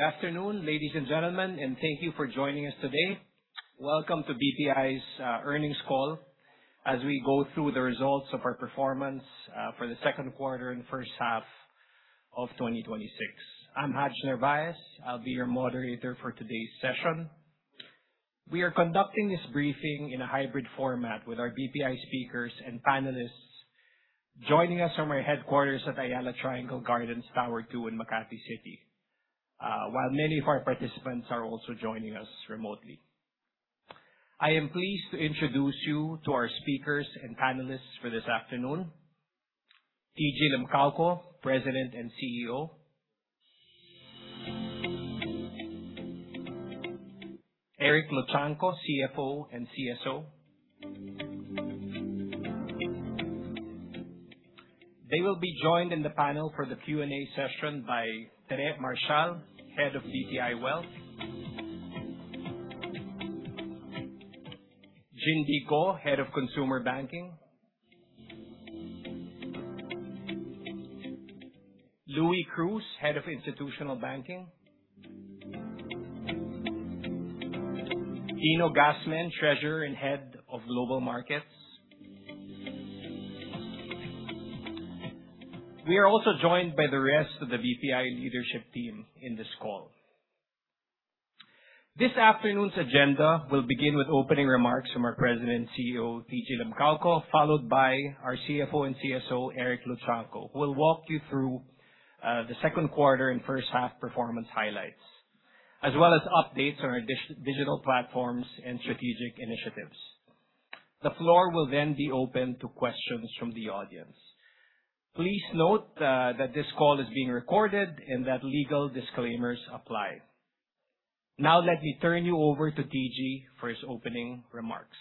Afternoon, ladies and gentlemen, thank you for joining us today. Welcome to BPI's earnings call as we go through the results of our performance for the second quarter and first half of 2026. I'm Haj Narvaez, I'll be your moderator for today's session. We are conducting this briefing in a hybrid format with our BPI speakers and panelists joining us from our headquarters at Ayala Triangle Gardens, Tower 2 in Makati City. Many of our participants are also joining us remotely. I am pleased to introduce you to our speakers and panelists for this afternoon. TG Limcaoco, President and CEO. Eric Luchangco, CFO and CSO. They will be joined in the panel for the Q&A session by Tere Marcial, Head of BPI Wealth. Ginbee Go, Head of Consumer Banking. Luis Cruz, Head of Institutional Banking. Dino Gasmen, Treasurer and Head of Global Markets. We are also joined by the rest of the BPI leadership team in this call. This afternoon's agenda will begin with opening remarks from our President and CEO, TG Limcaoco, followed by our CFO and CSO, Eric Luchangco, who will walk you through the second quarter and first half performance highlights, as well as updates on our digital platforms and strategic initiatives. The floor will then be open to questions from the audience. Please note that this call is being recorded and that legal disclaimers apply. Let me turn you over to TG for his opening remarks.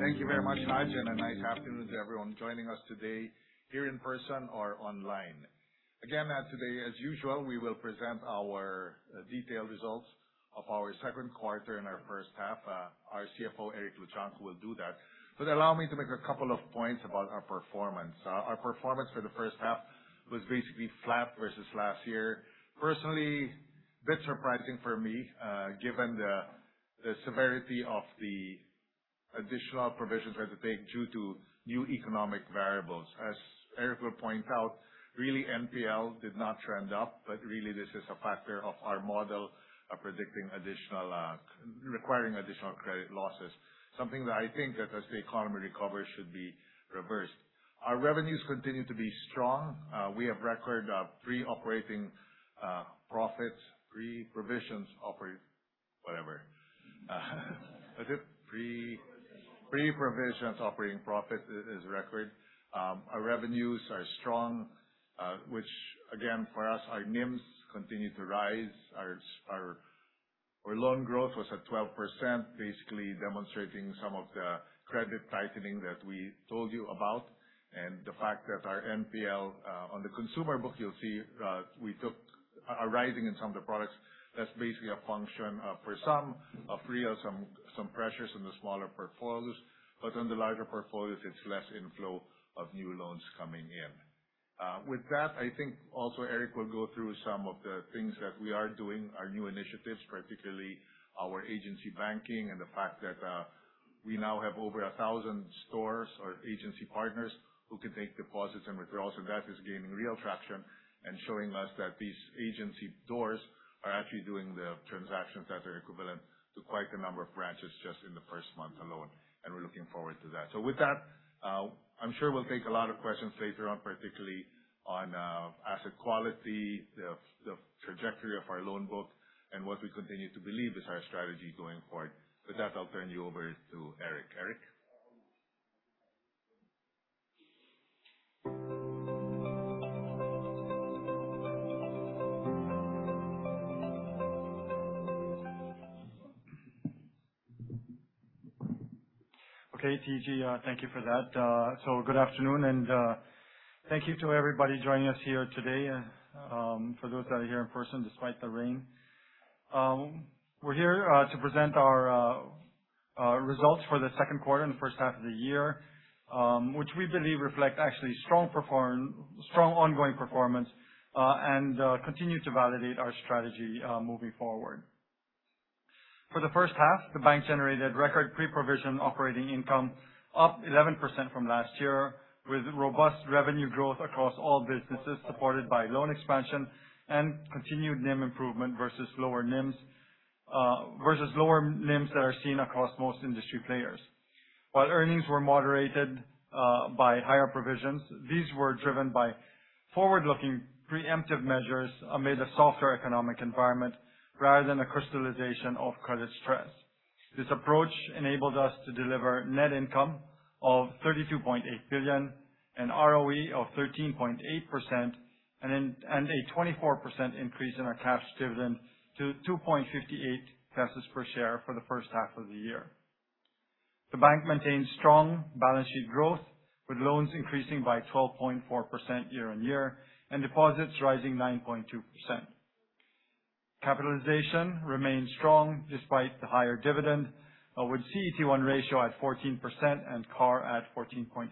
Thank you very much, Haj, a nice afternoon to everyone joining us today here in person or online. Today, as usual, we will present our detailed results of our second quarter and our first half. Our CFO, Eric Luchangco, will do that. Allow me to make a couple of points about our performance. Our performance for the first half was basically flat versus last year. Personally, a bit surprising for me given the severity of the additional provisions we had to take due to new economic variables. As Eric will point out, NPL did not trend up, but this is a factor of our model of predicting requiring additional credit losses. Something that I think that as the economy recovers should be reversed. Our revenues continue to be strong. We have record pre-provisions operating profit. Pre-provisions operating profit is record. Our revenues are strong, which again, for us, our NIMs continue to rise. Our loan growth was at 12%, basically demonstrating some of the credit tightening that we told you about. The fact that our NPL on the consumer book, you'll see we took a rising in some of the products that's basically a function for some pressures in the smaller portfolios. On the larger portfolios, it's less inflow of new loans coming in. With that, I think also Eric will go through some of the things that we are doing, our new initiatives, particularly our agency banking and the fact that we now have over 1,000 stores or agency partners who can take deposits and withdrawals, and that is gaining real traction and showing us that these agency partners are actually doing the transactions that are equivalent to quite a number of branches just in the first month alone, and we're looking forward to that. With that, I'm sure we'll take a lot of questions later on, particularly on asset quality, the trajectory of our loan book, and what we continue to believe is our strategy going forward. With that, I'll turn you over to Eric. Eric. Okay, TG, thank you for that. Good afternoon, and thank you to everybody joining us here today, for those that are here in person despite the rain. We're here to present our results for the second quarter and the first half of the year, which we believe reflect actually strong ongoing performance and continue to validate our strategy moving forward. For the first half, the bank generated record pre-provision operating income up 11% from last year, with robust revenue growth across all businesses supported by loan expansion and continued NIM improvement versus lower NIMs that are seen across most industry players. While earnings were moderated by higher provisions, these were driven by forward-looking preemptive measures amid a softer economic environment rather than a crystallization of credit stress. This approach enabled us to deliver net income of 32.8 billion, an ROE of 13.8%, and a 24% increase in our cash dividend to 2.58 pesos per share for the first half of the year. The bank maintained strong balance sheet growth, with loans increasing by 12.4% year-on-year and deposits rising 9.2%. Capitalization remains strong despite the higher dividend, with CET1 ratio at 14% and CAR at 14.8%.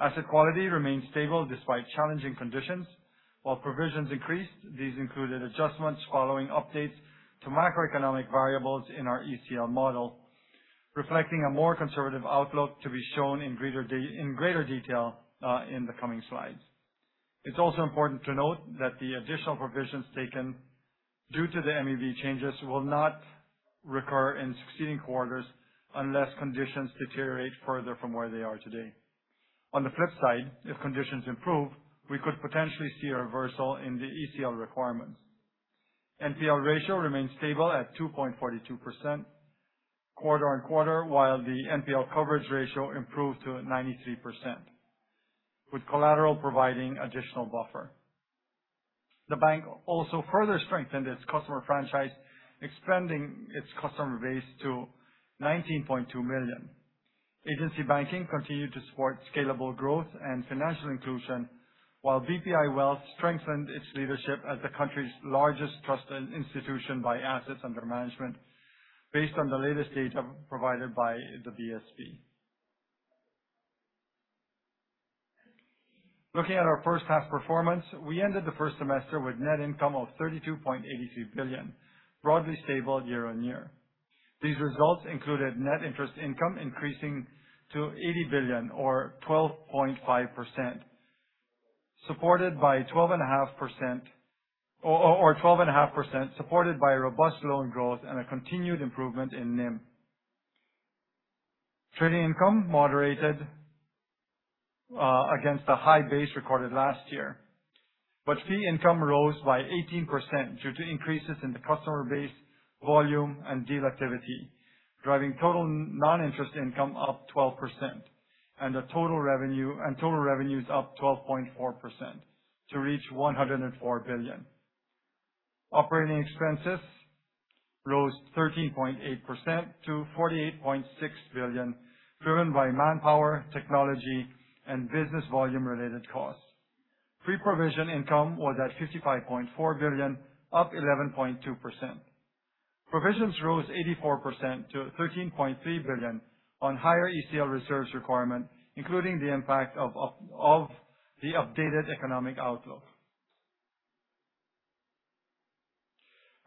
Asset quality remains stable despite challenging conditions. While provisions increased, these included adjustments following updates to macroeconomic variables in our ECL model, reflecting a more conservative outlook to be shown in greater detail in the coming slides. It's also important to note that the additional provisions taken due to the MEV changes will not recur in succeeding quarters unless conditions deteriorate further from where they are today. On the flip side, if conditions improve, we could potentially see a reversal in the ECL requirements. NPL ratio remains stable at 2.42% quarter-on-quarter, while the NPL coverage ratio improved to 93%, with collateral providing additional buffer. The bank also further strengthened its customer franchise, expanding its customer base to 19.2 million. Agency banking continued to support scalable growth and financial inclusion, while BPI Wealth strengthened its leadership as the country's largest trusted institution by assets under management based on the latest data provided by the BSP. Looking at our first half performance, we ended the first semester with net income of 32.83 billion, broadly stable year-on-year. These results included net interest income increasing to 80 billion or 12.5%, supported by robust loan growth and a continued improvement in NIM. Trading income moderated against a high base recorded last year. Fee income rose by 18% due to increases in the customer base, volume, and deal activity, driving total non-interest income up 12%, and total revenues up 12.4% to reach 104 billion. Operating expenses rose 13.8% to 48.6 billion, driven by manpower, technology, and business volume related costs. Pre-provision income was at 55.4 billion, up 11.2%. Provisions rose 84% to 13.3 billion on higher ECL reserves requirement, including the impact of the updated economic outlook.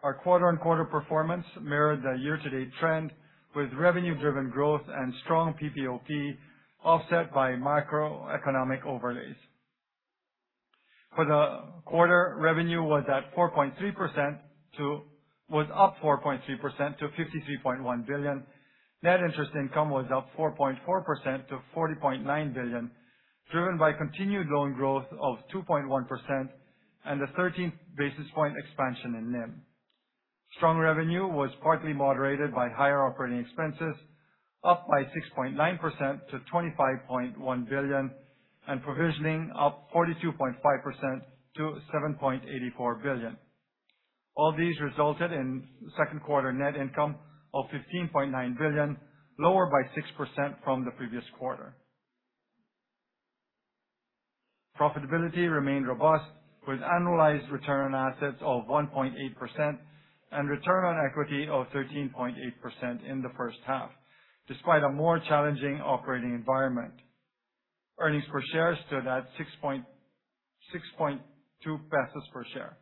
Our quarter-on-quarter performance mirrored the year-to-date trend with revenue driven growth and strong PPOP offset by macroeconomic overlays. For the quarter, revenue was up 4.3% to 53.1 billion. Net interest income was up 4.4% to 40.9 billion, driven by continued loan growth of 2.1% and a 13 basis point expansion in NIM. Strong revenue was partly moderated by higher operating expenses, up by 6.9% to 25.1 billion, and provisioning up 42.5% to 7.84 billion. All these resulted in second quarter net income of 15.9 billion, lower by 6% from the previous quarter. Profitability remained robust with annualized return on assets of 1.8% and return on equity of 13.8% in the first half, despite a more challenging operating environment. Earnings per share stood at 6.2 pesos per share.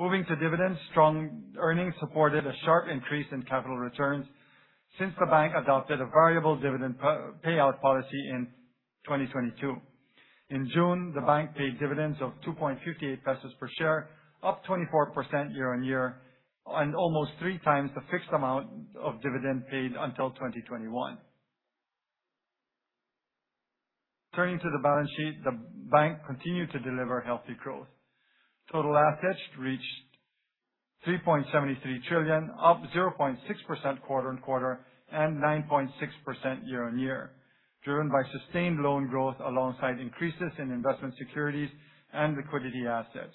Moving to dividends, strong earnings supported a sharp increase in capital returns since the bank adopted a variable dividend payout policy in 2022. In June, the bank paid dividends of 2.58 pesos per share, up 24% year-on-year, and almost 3x the fixed amount of dividend paid until 2021. Turning to the balance sheet, the bank continued to deliver healthy growth. Total assets reached 3.73 trillion, up 0.6% quarter-on-quarter and 9.6% year-on-year, driven by sustained loan growth alongside increases in investment securities and liquidity assets.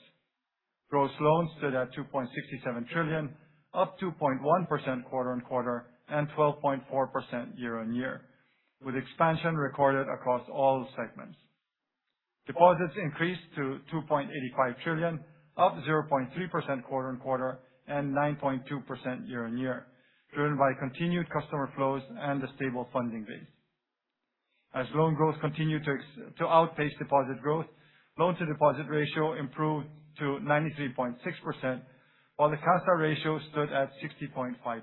Gross loans stood at 2.67 trillion, up 2.1% quarter-on-quarter and 12.4% year-on-year, with expansion recorded across all segments. Deposits increased to 2.85 trillion, up 0.3% quarter-on-quarter and 9.2% year-on-year, driven by continued customer flows and a stable funding base. As loan growth continued to outpace deposit growth, loan-to-deposit ratio improved to 93.6%, while the CASA ratio stood at 60.5%.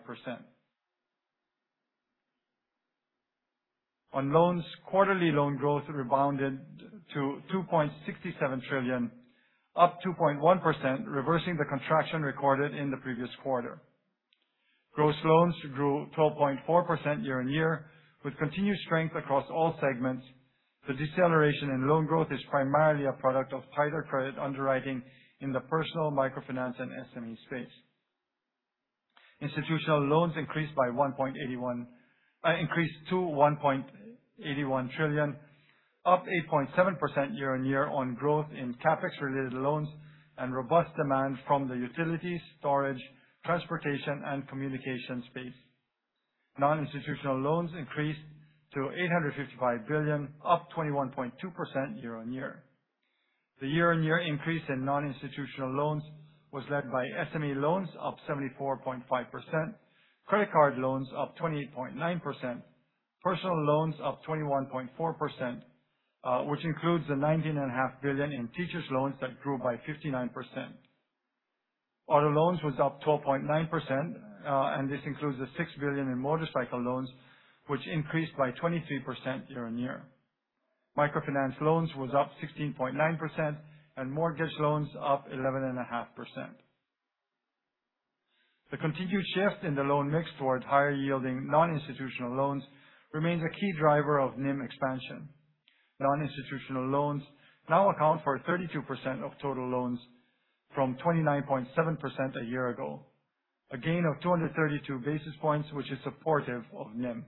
On loans, quarterly loan growth rebounded to 2.67 trillion, up 2.1%, reversing the contraction recorded in the previous quarter. Gross loans grew 12.4% year-on-year with continued strength across all segments. The deceleration in loan growth is primarily a product of tighter credit underwriting in the personal microfinance and SME space. Institutional loans increased to 1.81 trillion, up 8.7% year-on-year on growth in CapEx related loans and robust demand from the utilities, storage, transportation and communication space. Non-institutional loans increased to 855 billion, up 21.2% year-on-year. The year-on-year increase in non-institutional loans was led by SME loans up 74.5%, credit card loans up 28.9%, personal loans up 21.4%, which includes the 19.5 billion in teacher's loans that grew by 59%. Auto loans was up 12.9%, and this includes the 6 billion in motorcycle loans, which increased by 23% year-on-year. Microfinance loans was up 16.9%, and mortgage loans up 11.5%. The continued shift in the loan mix towards higher yielding non-institutional loans remains a key driver of NIM expansion. Non-institutional loans now account for 32% of total loans from 29.7% a year ago. A gain of 232 basis points, which is supportive of NIM.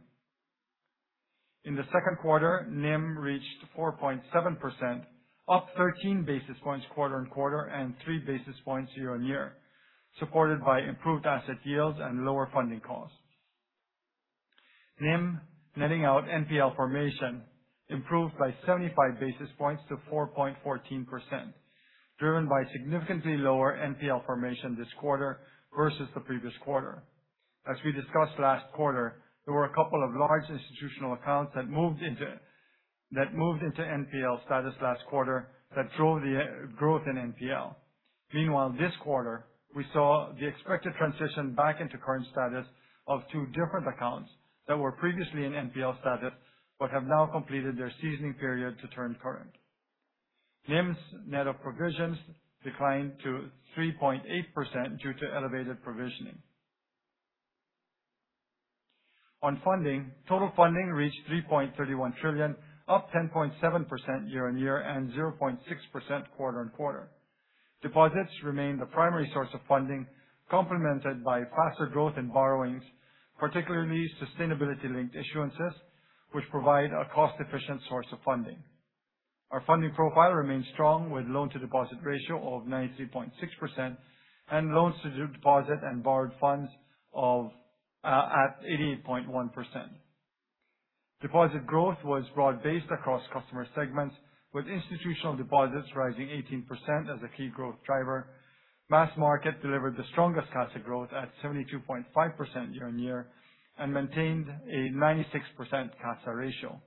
In the second quarter, NIM reached 4.7%, up 13 basis points quarter-on-quarter and 3 basis points year-on-year, supported by improved asset yields and lower funding costs. NIM, netting out NPL formation, improved by 75 basis points to 4.14%, driven by significantly lower NPL formation this quarter versus the previous quarter. As we discussed last quarter, there were a couple of large institutional accounts that moved into NPL status last quarter that drove the growth in NPL. Meanwhile, this quarter, we saw the expected transition back into current status of two different accounts that were previously in NPL status but have now completed their seasoning period to turn current. NIM’s net of provisions declined to 3.8% due to elevated provisioning. On funding, total funding reached 3.31 trillion, up 10.7% year-on-year and 0.6% quarter-on-quarter. Deposits remain the primary source of funding, complemented by faster growth in borrowings, particularly sustainability-linked issuances, which provide a cost-efficient source of funding. Our funding profile remains strong with loan to deposit ratio of 93.6% and loans to deposit and borrowed funds at 88.1%. Deposit growth was broad-based across customer segments, with institutional deposits rising 18% as a key growth driver. Mass market delivered the strongest CASA growth at 72.5% year-on-year and maintained a 96% CASA ratio,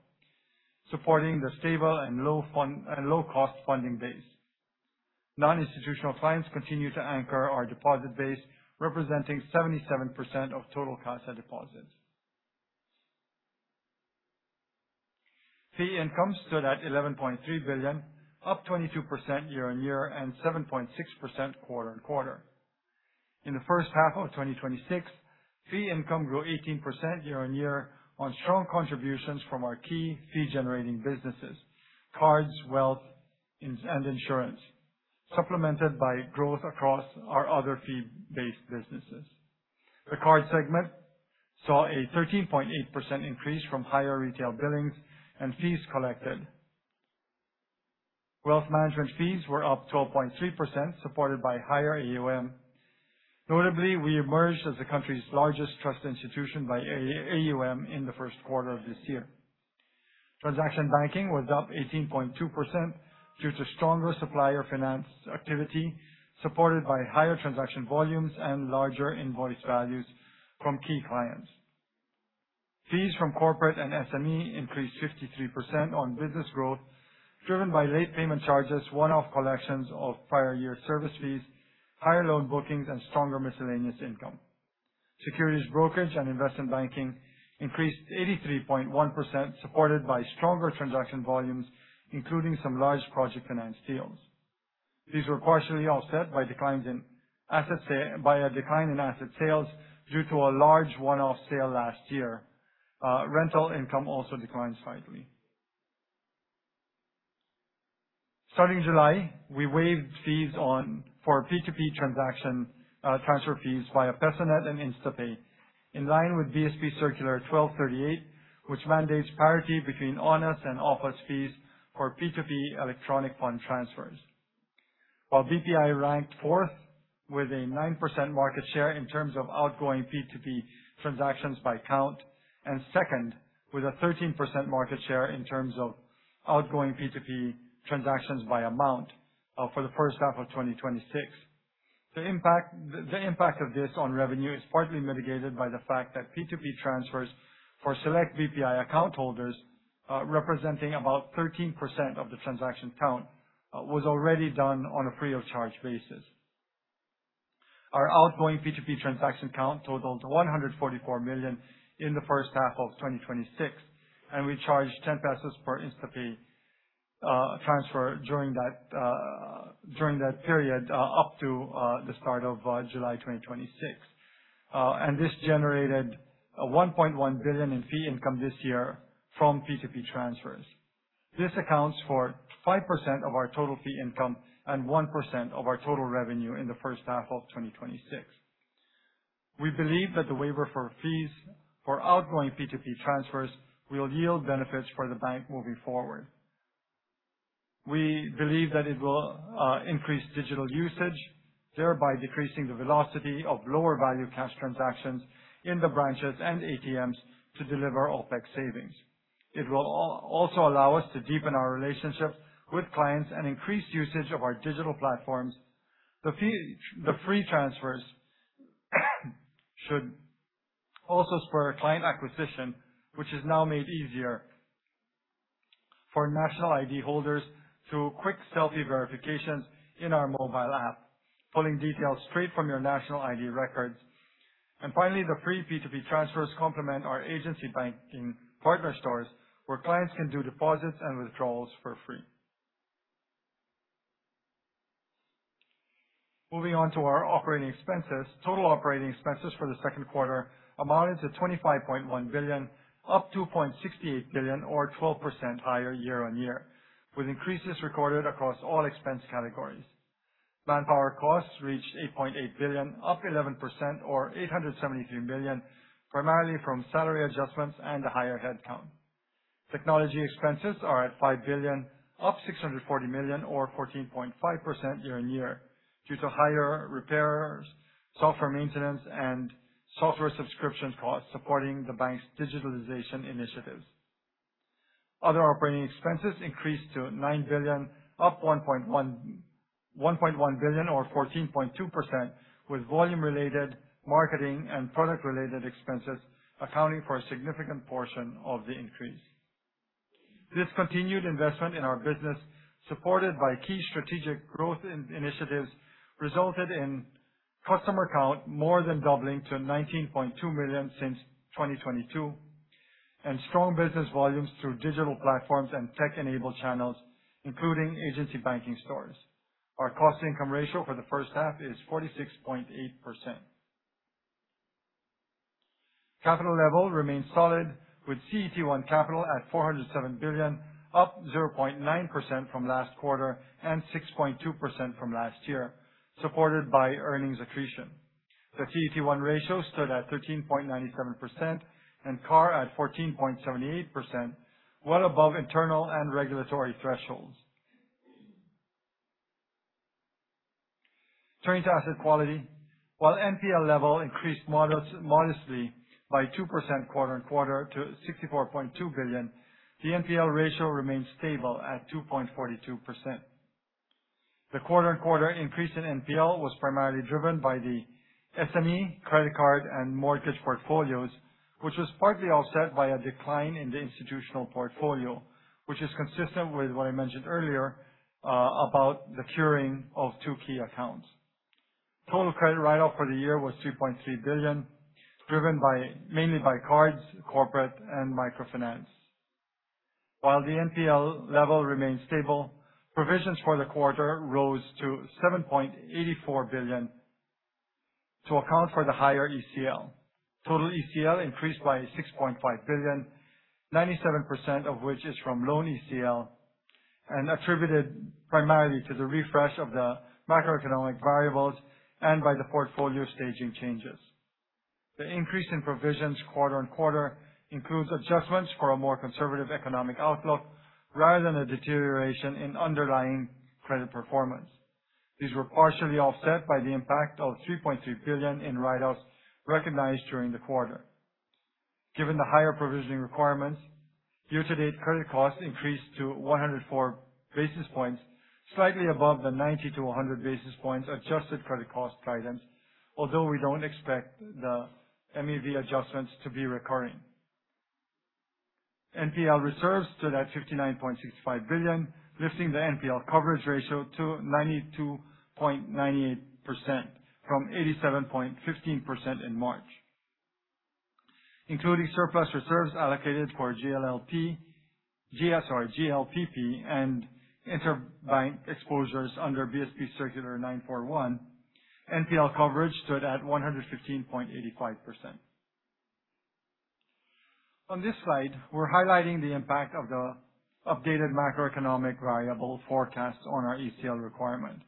supporting the stable and low-cost funding base. Non-institutional clients continue to anchor our deposit base, representing 77% of total CASA deposits. Fee income stood at 11.3 billion, up 22% year-on-year and 7.6% quarter-on-quarter. In the first half of 2026, fee income grew 18% year-on-year on strong contributions from our key fee generating businesses, cards, wealth, and insurance, supplemented by growth across our other fee-based businesses. The card segment saw a 13.8% increase from higher retail billings and fees collected. Wealth management fees were up 12.3%, supported by higher AUM. Notably, we emerged as the country's largest trust institution by AUM in the first quarter of this year. Transaction banking was up 18.2% due to stronger supplier finance activity, supported by higher transaction volumes and larger invoice values from key clients. Fees from corporate and SME increased 53% on business growth, driven by late payment charges, one-off collections of prior year service fees, higher loan bookings, and stronger miscellaneous income. Securities brokerage and investment banking increased 83.1%, supported by stronger transaction volumes, including some large project finance deals. These were partially offset by a decline in asset sales due to a large one-off sale last year. Rental income also declined slightly. Starting July, we waived fees for P2P transaction transfer fees via PESONet and InstaPay, in line with BSP Circular 1238, which mandates parity between on-us and off-us fees for P2P electronic fund transfers. BPI ranked fourth with a 9% market share in terms of outgoing P2P transactions by count, and second with a 13% market share in terms of outgoing P2P transactions by amount for the first half of 2026. The impact of this on revenue is partly mitigated by the fact that P2P transfers for select BPI account holders, representing about 13% of the transaction count, was already done on a free of charge basis. Our outgoing P2P transaction count totaled 144 million in the first half of 2026. We charged 10 pesos per InstaPay transfer during that period up to the start of July 2026. This generated 1.1 billion in fee income this year from P2P transfers. This accounts for 5% of our total fee income and 1% of our total revenue in the first half of 2026. We believe that the waiver for fees for outgoing P2P transfers will yield benefits for the bank moving forward. We believe that it will increase digital usage, thereby decreasing the velocity of lower value cash transactions in the branches and ATMs to deliver OPEX savings. It will also allow us to deepen our relationships with clients and increase usage of our digital platforms. The free transfers should also spur client acquisition, which is now made easier for national ID holders through quick selfie verifications in our mobile app, pulling details straight from your national ID records. Finally, the free P2P transfers complement our agency banking partner stores, where clients can do deposits and withdrawals for free. Moving on to our operating expenses. Total operating expenses for the second quarter amounted to 25.1 billion, up 2.68 billion or 12% higher year-on-year, with increases recorded across all expense categories. Manpower costs reached 8.8 billion, up 11% or 873 million, primarily from salary adjustments and a higher headcount. Technology expenses are at 5 billion, up 640 million or 14.5% year-on-year due to higher repairs, software maintenance, and software subscription costs supporting the bank's digitalization initiatives. Other operating expenses increased to 9 billion, up 1.1 billion or 14.2%, with volume-related marketing and product-related expenses accounting for a significant portion of the increase. This continued investment in our business, supported by key strategic growth initiatives, resulted in customer count more than doubling to 19.2 million since 2022, and strong business volumes through digital platforms and tech-enabled channels, including agency banking stores. Our cost-income ratio for the first half is 46.8%. Capital level remains solid, with CET1 capital at 407 billion, up 0.9% from last quarter and 6.2% from last year, supported by earnings accretion. The CET1 ratio stood at 13.97% and CAR at 14.78%, well above internal and regulatory thresholds. Turning to asset quality. While NPL level increased modestly by 2% quarter-on-quarter to 64.2 billion, the NPL ratio remains stable at 2.42%. The quarter-on-quarter increase in NPL was primarily driven by the SME credit card and mortgage portfolios, which was partly offset by a decline in the institutional portfolio, which is consistent with what I mentioned earlier about the curing of two key accounts. Total credit write-off for the year was PHP 2.3 billion, driven mainly by cards, corporate, and microfinance. While the NPL level remains stable, provisions for the quarter rose to 7.84 billion to account for the higher ECL. Total ECL increased by 6.5 billion, 97% of which is from loan ECL and attributed primarily to the refresh of the macroeconomic variables and by the portfolio staging changes. The increase in provisions quarter-on-quarter includes adjustments for a more conservative economic outlook rather than a deterioration in underlying credit performance. These were partially offset by the impact of 3.3 billion in write-offs recognized during the quarter. Given the higher provisioning requirements, year-to-date credit costs increased to 104 basis points, slightly above the 90-100 basis points adjusted credit cost guidance, although we don't expect the MEV adjustments to be recurring. NPL reserves stood at 59.65 billion, lifting the NPL coverage ratio to 92.98%, from 87.15% in March. Including surplus reserves allocated for GLLP and interbank exposures under BSP Circular No. 941, NPL coverage stood at 115.85%. On this slide, we're highlighting the impact of the updated macroeconomic variable forecasts on our ECL requirement.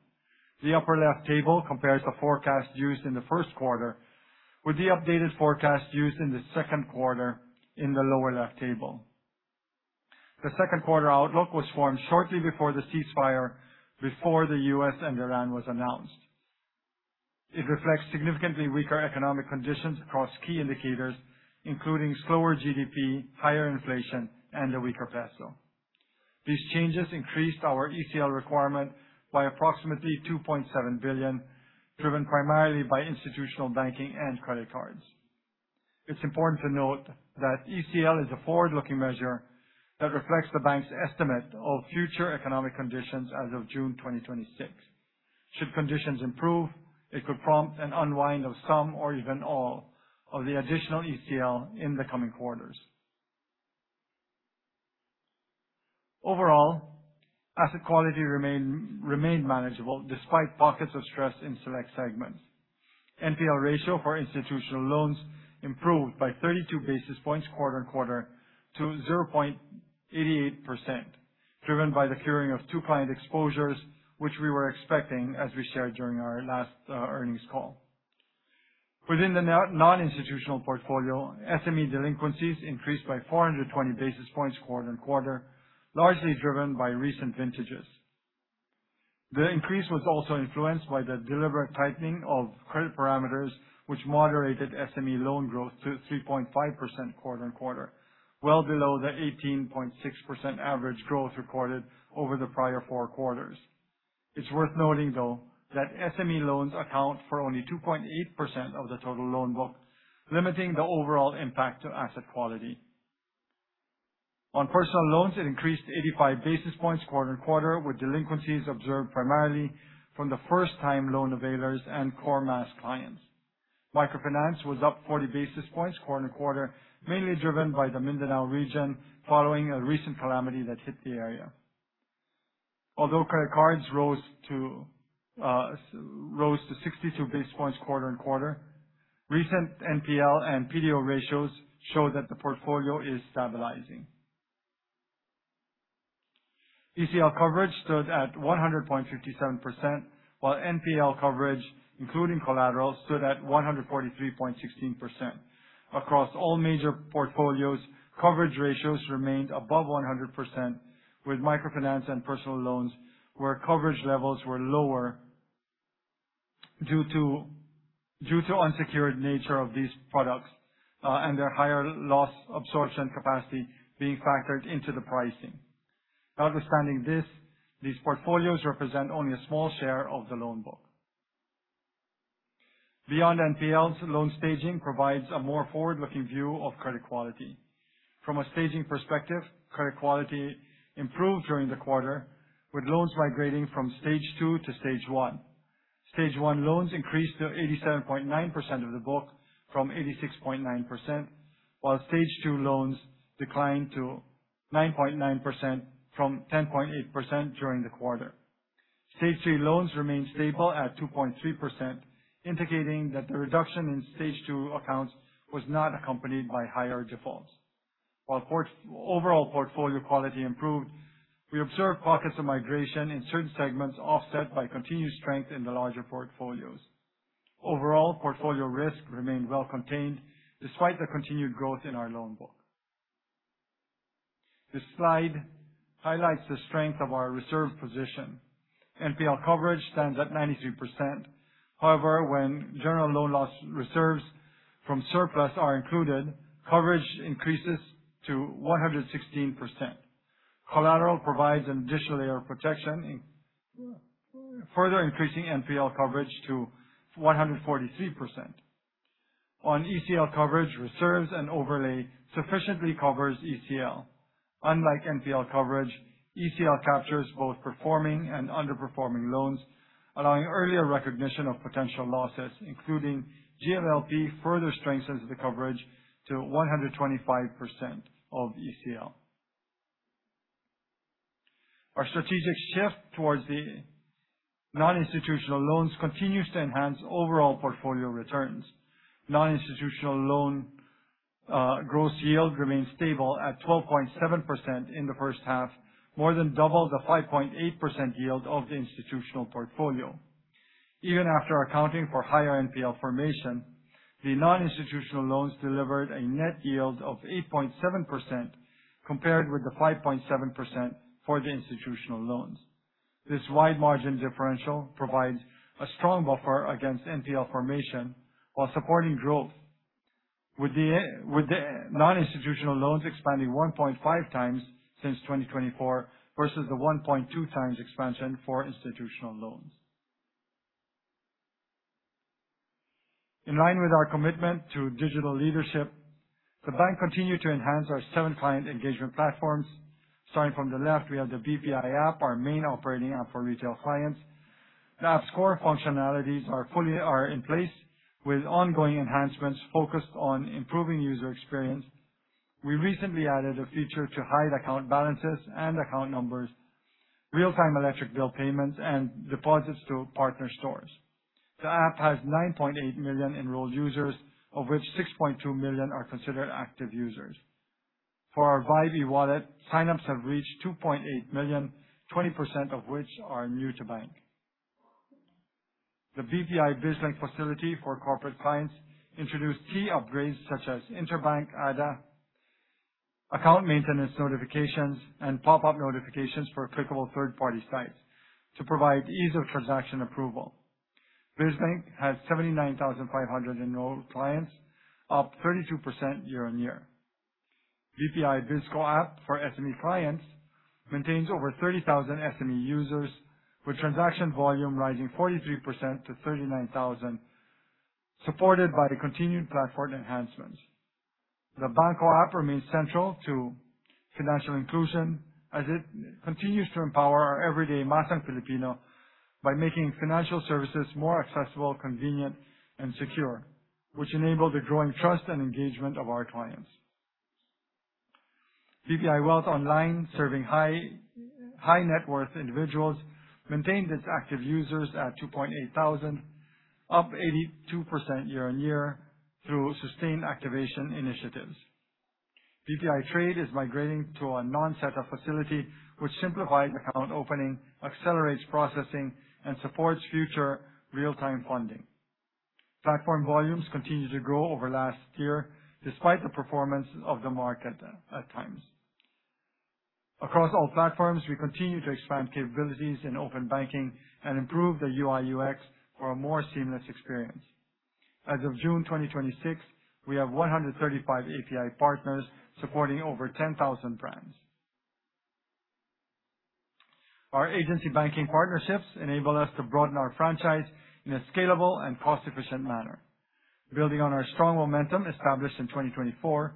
The upper left table compares the forecast used in the first quarter with the updated forecast used in the second quarter in the lower left table. The second quarter outlook was formed shortly before the ceasefire before the U.S. and Iran was announced. It reflects significantly weaker economic conditions across key indicators, including slower GDP, higher inflation, and a weaker PHP. These changes increased our ECL requirement by approximately 2.7 billion, driven primarily by institutional banking and credit cards. It's important to note that ECL is a forward-looking measure that reflects the bank's estimate of future economic conditions as of June 2026. Should conditions improve, it could prompt an unwind of some or even all of the additional ECL in the coming quarters. Overall, asset quality remained manageable despite pockets of stress in select segments. NPL ratio for institutional loans improved by 32 basis points quarter-on-quarter to 0.88%, driven by the curing of two client exposures, which we were expecting as we shared during our last earnings call. Within the non-institutional portfolio, SME delinquencies increased by 420 basis points quarter-on-quarter, largely driven by recent vintages. The increase was also influenced by the deliberate tightening of credit parameters, which moderated SME loan growth to 3.5% quarter-on-quarter, well below the 18.6% average growth recorded over the prior four quarters. It's worth noting, though, that SME loans account for only 2.8% of the total loan book, limiting the overall impact to asset quality. On personal loans, it increased 85 basis points quarter-on-quarter, with delinquencies observed primarily from the first-time loan availers and core masa clients. Microfinance was up 40 basis points quarter-on-quarter, mainly driven by the Mindanao region following a recent calamity that hit the area. Although credit cards rose to 62 basis points quarter-on-quarter, recent NPL and PDO ratios show that the portfolio is stabilizing. ECL coverage stood at 100.57%, while NPL coverage, including collateral, stood at 143.16%. Across all major portfolios, coverage ratios remained above 100%, with microfinance and personal loans, where coverage levels were lower due to unsecured nature of these products, and their higher loss absorption capacity being factored into the pricing. Understanding this, these portfolios represent only a small share of the loan book. Beyond NPLs, loan staging provides a more forward-looking view of credit quality. From a staging perspective, credit quality improved during the quarter, with loans migrating Stage 1 loans increased to 87.9% of the book from 86.9%, Stage 2 loans declined to 9.9% from 10.8% during the Stage 3 loans remained stable at 2.3%, indicating that the reduction Stage 2 accounts was not accompanied by higher defaults. While overall portfolio quality improved, we observed pockets of migration in certain segments offset by continued strength in the larger portfolios. Overall, portfolio risk remained well contained despite the continued growth in our loan book. This slide highlights the strength of our reserve position. NPL coverage stands at 93%. However, when general loan loss reserves from surplus are included, coverage increases to 116%. Collateral provides an additional layer of protection, further increasing NPL coverage to 143%. On ECL coverage, reserves and overlay sufficiently covers ECL. Unlike NPL coverage, ECL captures both performing and underperforming loans, allowing earlier recognition of potential losses, including GLLP, further strengthens the coverage to 125% of ECL. Our strategic shift towards the non-institutional loans continues to enhance overall portfolio returns. Non-institutional loan gross yield remains stable at 12.7% in the first half, more than double the 5.8% yield of the institutional portfolio. Even after accounting for higher NPL formation, the non-institutional loans delivered a net yield of 8.7%, compared with the 5.7% for the institutional loans. This wide margin differential provides a strong buffer against NPL formation while supporting growth, with the non-institutional loans expanding 1.5x since 2024 versus the 1.2x expansion for institutional loans. In line with our commitment to digital leadership, the bank continued to enhance our seven client engagement platforms. Starting from the left, we have the BPI app, our main operating app for retail clients. The app's core functionalities are in place with ongoing enhancements focused on improving user experience. We recently added a feature to hide account balances and account numbers, real-time electric bill payments, and deposits to partner stores. The app has 9.8 million enrolled users, of which 6.2 million are considered active users. For our VYBE wallet, sign-ups have reached 2.8 million, 20% of which are new to bank. The BPI BizLink facility for corporate clients introduced key upgrades such as Interbank ADA, account maintenance notifications, and pop-up notifications for clickable third-party sites to provide ease of transaction approval. BizLink has 79,500 enrolled clients, up 32% year-on-year. BPI BizKo app for SME clients maintains over 30,000 SME users with transaction volume rising 43% to 39,000, supported by the continued platform enhancements. The BanKo app remains central to financial inclusion as it continues to empower our everyday masa and Filipino by making financial services more accessible, convenient, and secure, which enable the growing trust and engagement of our clients. BPI Wealth Online, serving high net worth individuals, maintained its active users at 28,000 up 82% year-on-year through sustained activation initiatives. BPI Trade is migrating to a non-setup facility which simplifies account opening, accelerates processing, and supports future real-time funding. Platform volumes continued to grow over last year despite the performance of the market at times. Across all platforms, we continue to expand capabilities in open banking and improve the UI/UX for a more seamless experience. As of June 2026, we have 135 API partners supporting over 10,000 brands. Our agency banking partnerships enable us to broaden our franchise in a scalable and cost-efficient manner. Building on our strong momentum established in 2024,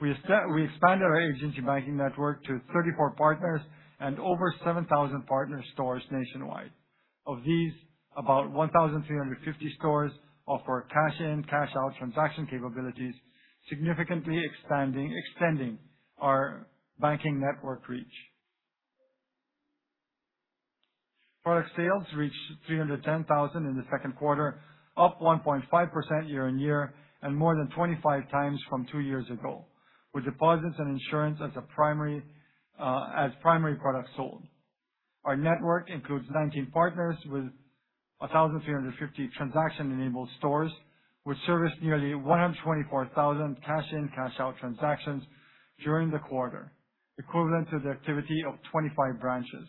we expanded our agency banking network to 34 partners and over 7,000 partner stores nationwide. Of these, about 1,350 stores offer cash-in/cash-out transaction capabilities, significantly extending our banking network reach. Product sales reached 310,000 in the second quarter, up 1.5% year-on-year and more than 25x from two years ago, with deposits and insurance as primary products sold. Our network includes 19 partners with 1,350 transaction-enabled stores, which serviced nearly 124,000 cash-in/cash-out transactions during the quarter, equivalent to the activity of 25 branches.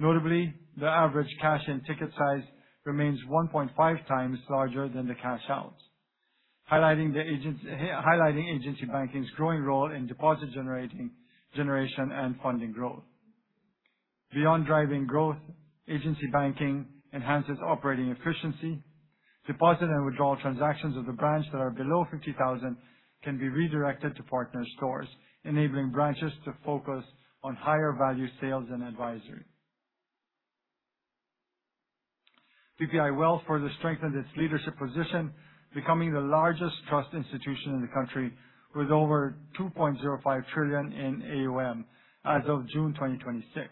Notably, the average cash-in ticket size remains 1.5x larger than the cash-outs, highlighting agency banking's growing role in deposit generation and funding growth. Beyond driving growth, agency banking enhances operating efficiency. Deposit and withdrawal transactions at the branch that are below 50,000 can be redirected to partner stores, enabling branches to focus on higher value sales and advisory. BPI Wealth further strengthened its leadership position, becoming the largest trust institution in the country with over 2.05 trillion in AUM as of June 2026.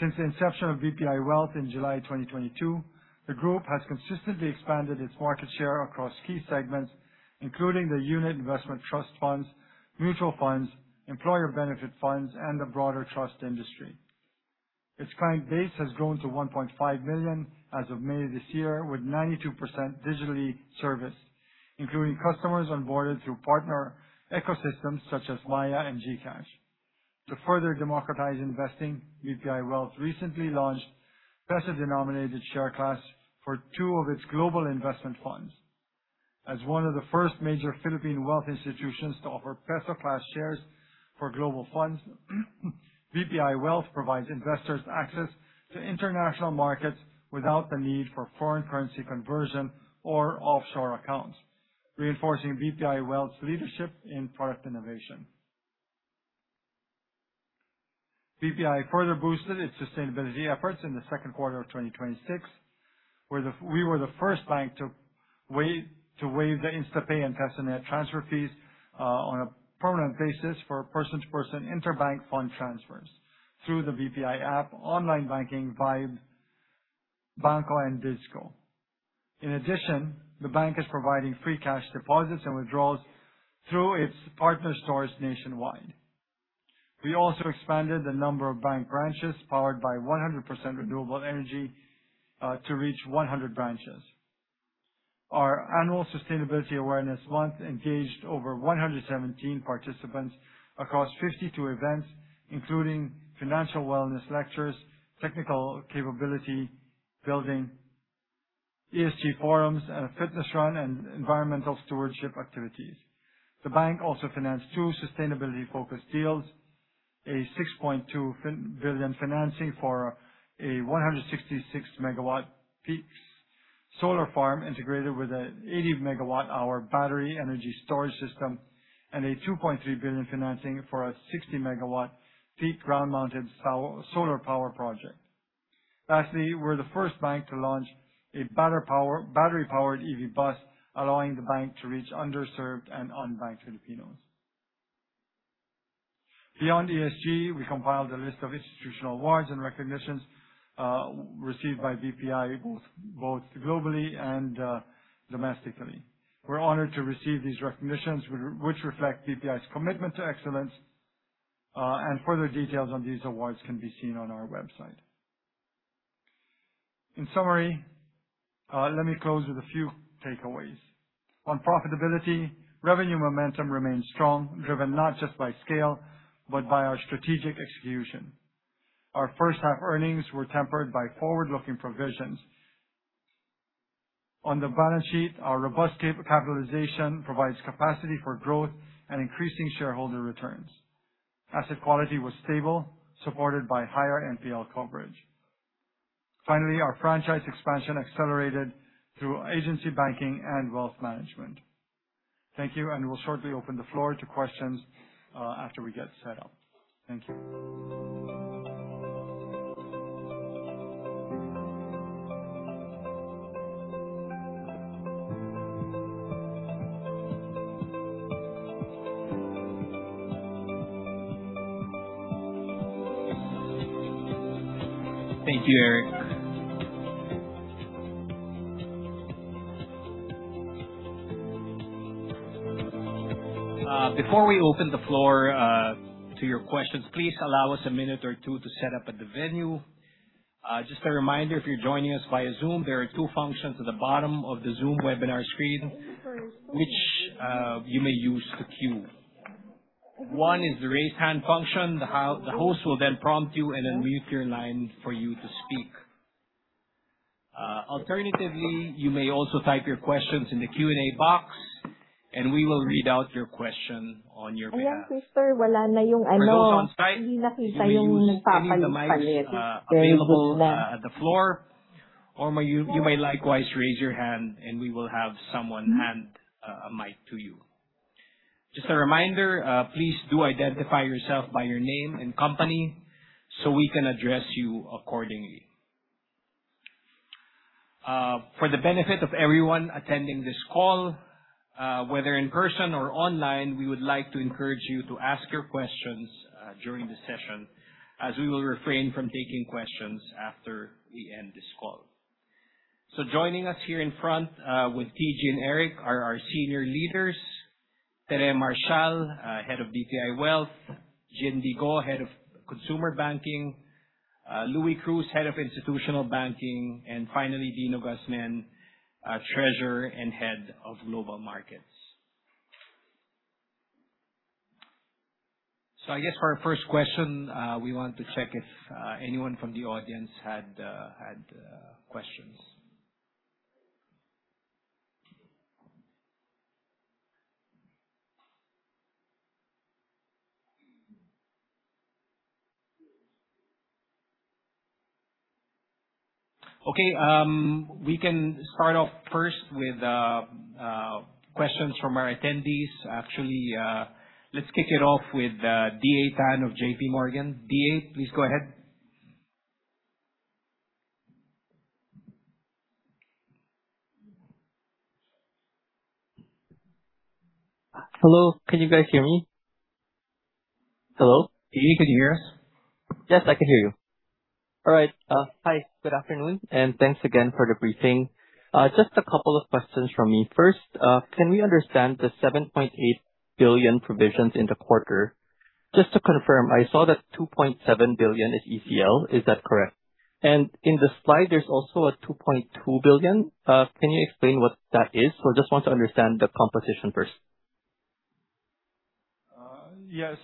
Since the inception of BPI Wealth in July 2022, the group has consistently expanded its market share across key segments, including the unit investment trust funds, mutual funds, employer benefit funds, and the broader trust industry. Its client base has grown to 1.5 million as of May this year, with 92% digitally serviced, including customers onboarded through partner ecosystems such as Maya and GCash. To further democratize investing, BPI Wealth recently launched peso-denominated share class for two of its global investment funds. As one of the first major Philippine wealth institutions to offer peso class shares for global funds, BPI Wealth provides investors access to international markets without the need for foreign currency conversion or offshore accounts, reinforcing BPI Wealth's leadership in product innovation. BPI further boosted its sustainability efforts in the second quarter of 2026. We were the first bank to waive the InstaPay and PESONet transfer fees on a permanent basis for person-to-person interbank fund transfers through the BPI app, online banking, VYBE, BanKo, and BizKo. In addition, the bank is providing free cash deposits and withdrawals through its partner stores nationwide. We also expanded the number of bank branches powered by 100% renewable energy to reach 100 branches. Our annual Sustainability Awareness Month engaged over 117 participants across 52 events, including financial wellness lectures, technical capability building, ESG forums, a fitness run, and environmental stewardship activities. The bank also financed two sustainability-focused deals, a 6.2 billion financing for a 166 MW peak solar farm integrated with an 80 MWh battery energy storage system, and a 2.3 billion financing for a 60 MW peak ground-mounted solar power project. Lastly, we're the first bank to launch a battery-powered EV bus, allowing the bank to reach underserved and unbanked Filipinos. Beyond ESG, we compiled a list of institutional awards and recognitions received by BPI, both globally and domestically. We're honored to receive these recognitions, which reflect BPI's commitment to excellence. Further details on these awards can be seen on our website. In summary, let me close with a few takeaways. On profitability, revenue momentum remains strong, driven not just by scale, but by our strategic execution. Our first half earnings were tempered by forward-looking provisions. On the balance sheet, our robust capitalization provides capacity for growth and increasing shareholder returns. Asset quality was stable, supported by higher NPL coverage. Finally, our franchise expansion accelerated through agency banking and wealth management. Thank you, and we'll shortly open the floor to questions after we get set up. Thank you. Thank you, Eric. Before we open the floor to your questions, please allow us a minute or two to set up at the venue. Just a reminder, if you're joining us via Zoom, there are two functions at the bottom of the Zoom webinar screen which you may use to queue. One is the raise hand function. The host will then prompt you and unmute your line for you to speak. Alternatively, you may also type your questions in the Q&A box, we will read out your question on your behalf. For those onsite, you may use any of the mics available at the floor, you may likewise raise your hand and we will have someone hand a mic to you. Just a reminder, please do identify yourself by your name and company so we can address you accordingly. For the benefit of everyone attending this call, whether in person or online, we would like to encourage you to ask your questions during the session, as we will refrain from taking questions after we end this call. Joining us here in front with TG and Eric are our senior leaders, Tere Marcial, Head of BPI Wealth, Ginbee Go, Head of Consumer Banking, Luis Cruz, Head of Institutional Banking, and finally, Dino Gasmen, Treasurer and Head of Global Markets. I guess for our first question, we want to check if anyone from the audience had questions. Okay. We can start off first with questions from our attendees. Actually, let's kick it off with D.A. Tan of JPMorgan. David, please go ahead. Hello, can you guys hear me? Hello? D.A., can you hear us? Yes, I can hear you. All right. Hi, good afternoon, and thanks again for the briefing. Just a couple of questions from me. Can we understand the 7.8 billion provisions in the quarter? Just to confirm, I saw that 2.7 billion is ECL. Is that correct? In the slide, there's also a 2.2 billion. Can you explain what that is? I just want to understand the composition first. Yes.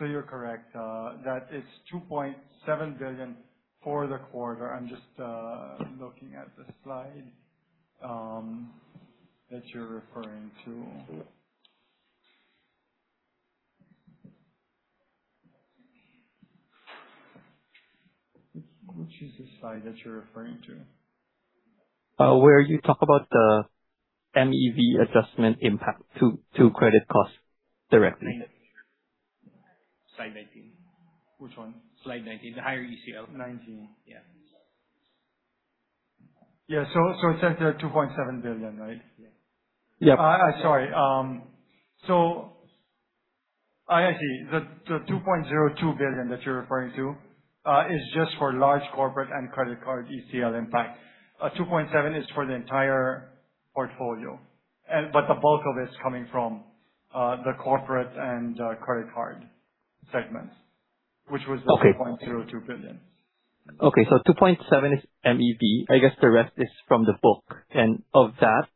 You're correct. That is 2.7 billion for the quarter. I'm just looking at the slide that you're referring to. Which is the slide that you're referring to? Where you talk about the MEV adjustment impact to credit costs directly. Slide 19. Which one? Slide 19. The higher ECL. Slide 19. Yeah. It says there 2.7 billion, right? Yeah. Sorry. I see. The 2.02 billion that you're referring to is just for large corporate and credit card ECL impact. 2.7 is for the entire portfolio. The bulk of it is coming from the corporate and credit card segments, which was the 2.02 billion. Okay. 2.7 billion is MEV. I guess the rest is from the book. Of that,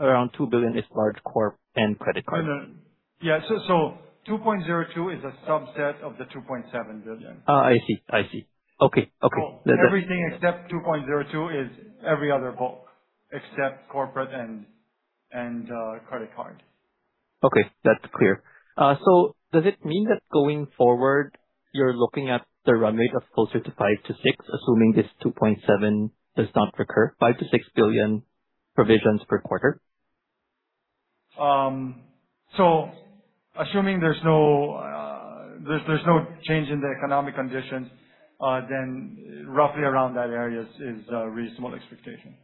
around 2 billion is large corp and credit card. Yeah. 2.02 billion is a subset of the 2.7 billion. I see. Okay. Everything except 2.02 billion is every other book, except corporate and credit card. Okay. That's clear. Does it mean that going forward, you're looking at the run rate of closer to five to six, assuming this 2.7 does not recur, 5 billion-6 billion provisions per quarter? Assuming there's no change in the economic conditions, roughly around that area is a reasonable expectation.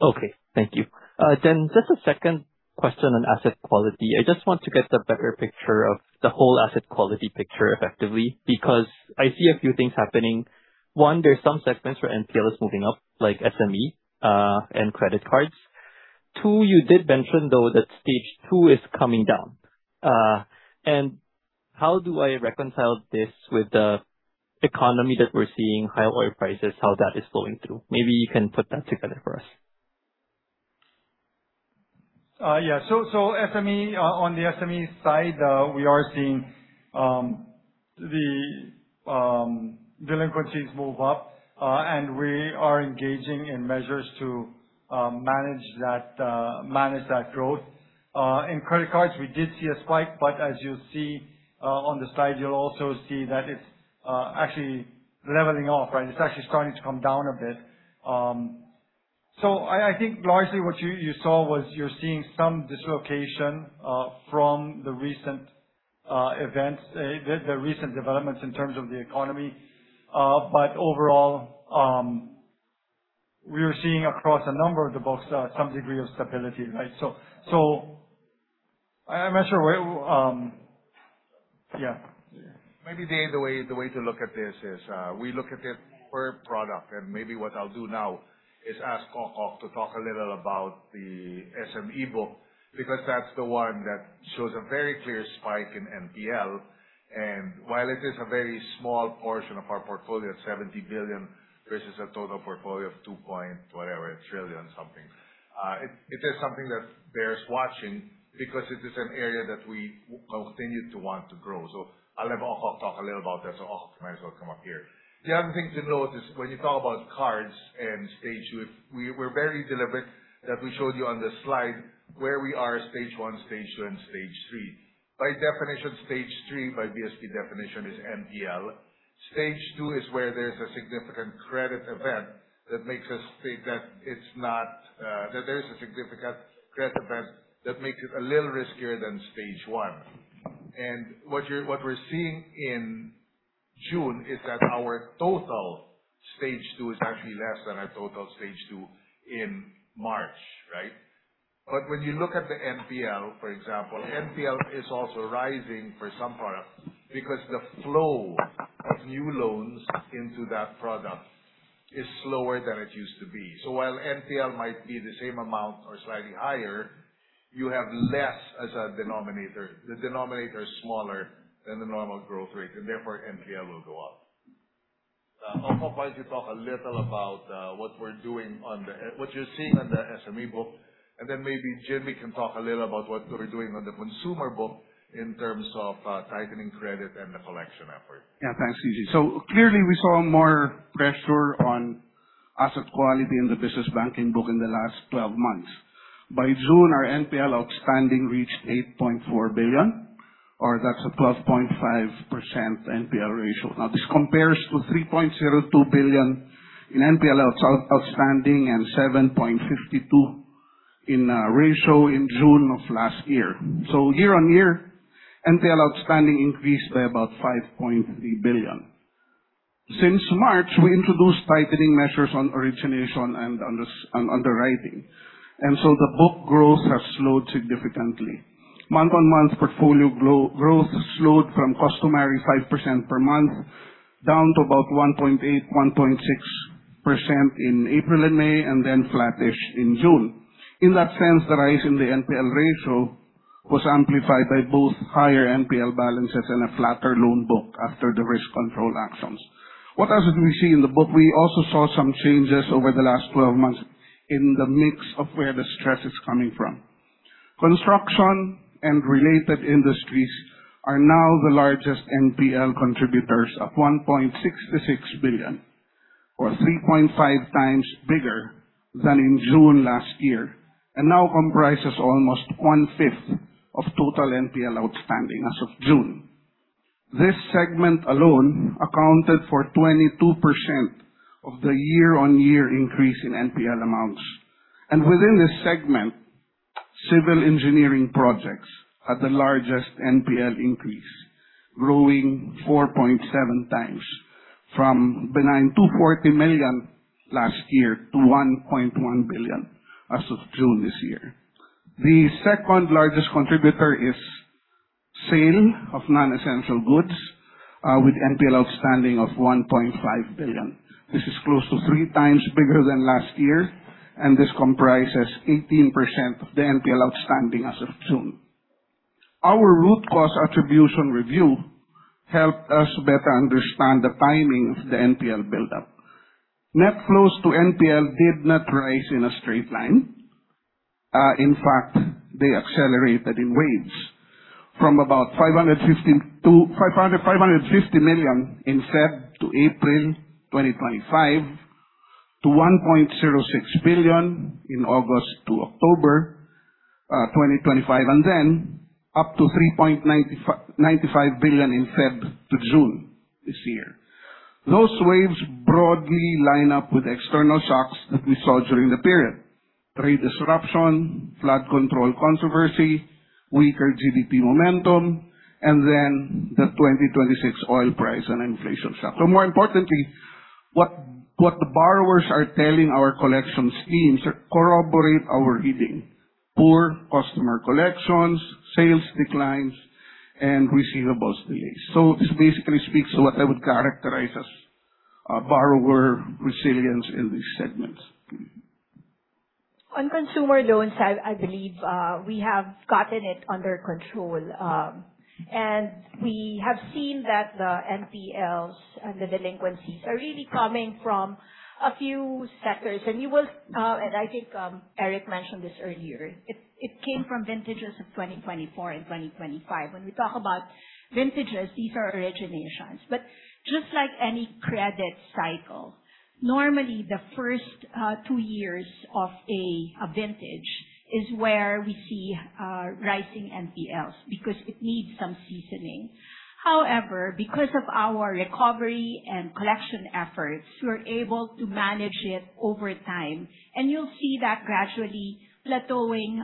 Okay. Thank you. Just a second question on asset quality. I just want to get the better picture of the whole asset quality picture effectively, because I see a few things happening. One, there's some segments where NPL is moving up, like SME and credit cards. Two, you did mention, though, Stage 2 is coming down. How do I reconcile this with the economy that we are seeing, high oil prices, how that is flowing through? Maybe you can put that together for us. Yeah. On the SME side, we are seeing the delinquencies move up, we are engaging in measures to manage that growth. In credit cards, we did see a spike, as you'll see on the slide, you'll also see that it's actually leveling off, right? It's actually starting to come down a bit. I think largely what you saw was you're seeing some dislocation from the recent events, the recent developments in terms of the economy. Overall We are seeing across a number of the books some degree of stability. I am not sure where Yeah. Maybe the way to look at this is, we look at it per product. Maybe what I'll do now is ask Dino to talk a little about the SME book, because that's the one that shows a very clear spike in NPL. While it is a very small portion of our portfolio at 70 billion, versus a total portfolio of 2 point whatever, a trillion something. It is something that bears watching because it is an area that we continue to want to grow. I'll have Dino talk a little about this, Dino might as well come up here. The other thing to note is when you talk about cards and Stage 2, we're very deliberate that we showed you on the slide where we are Stage 1, Stage 2, and Stage 3. By definition, Stage 3, by BSP definition, is NPL. Stage 2 is where there's a significant credit event that makes it a little riskier than Stage 1. What we're seeing in June is that our total Stage 2 is actually less than our total Stage 2 in March. When you look at the NPL, for example, NPL is also rising for some products because the flow of new loans into that product is slower than it used to be. While NPL might be the same amount or slightly higher, you have less as a denominator. The denominator is smaller than the normal growth rate, therefore NPL will go up. Dino Gasmen, why don't you talk a little about what you're seeing on the SME book, then maybe Ginbee can talk a little about what we're doing on the consumer book in terms of tightening credit and the collection effort. Yeah. Thanks, TG. Clearly we saw more pressure on asset quality in the business banking book in the last 12 months. By June, our NPL outstanding reached 8.4 billion, or that's a 12.5% NPL ratio. Now this compares to 3.02 billion in NPL outstanding and 7.52% in ratio in June of last year. Year-on-year, NPL outstanding increased by about 5.3 billion. Since March, we introduced tightening measures on origination and underwriting, the book growth has slowed significantly. Month on month, portfolio growth slowed from customary 5% per month down to about 1.8%, 1.6% in April and May, then flattish in June. In that sense, the rise in the NPL ratio was amplified by both higher NPL balances and a flatter loan book after the risk control actions. What else did we see in the book? We also saw some changes over the last 12 months in the mix of where the stress is coming from. Construction and related industries are now the largest NPL contributors at 1.66 billion, or 3.5x bigger than in June last year, and now comprises almost one fifth of total NPL outstanding as of June. This segment alone accounted for 22% of the year-on-year increase in NPL amounts. Within this segment, civil engineering projects are the largest NPL increase, growing 4.7x from benign 240 million last year to 1.1 billion as of June this year. The second largest contributor is sale of non-essential goods, with NPL outstanding of 1.5 billion. This is close to 3x bigger than last year, and this comprises 18% of the NPL outstanding as of June. Our root cause attribution review helped us better understand the timing of the NPL buildup. Net flows to NPL did not rise in a straight line. In fact, they accelerated in waves from about 550 million in February to April 2025, to 1.06 billion in August to October 2025, and then up to 3.95 billion in February to June this year. Those waves broadly line up with external shocks that we saw during the periodc, trade disruption, flood control controversy, weaker GDP momentum, and then the 2026 oil price and inflation shock. More importantly, what the borrowers are telling our collections teams corroborate our reading, poor customer collections, sales declines, and receivables delays. This basically speaks to what I would characterize as borrower resilience in these segments. On consumer loans, I believe we have gotten it under control. We have seen that the NPLs and the delinquencies are really coming from a few sectors. I think Eric mentioned this earlier. It came from vintages of 2024 and 2025. When we talk about vintages, these are originations. Just like any credit cycle, normally the first two years of a vintage is where we see rising NPLs, because it needs some seasoning. However, because of our recovery and collection efforts, we are able to manage it over time, and you will see that gradually plateauing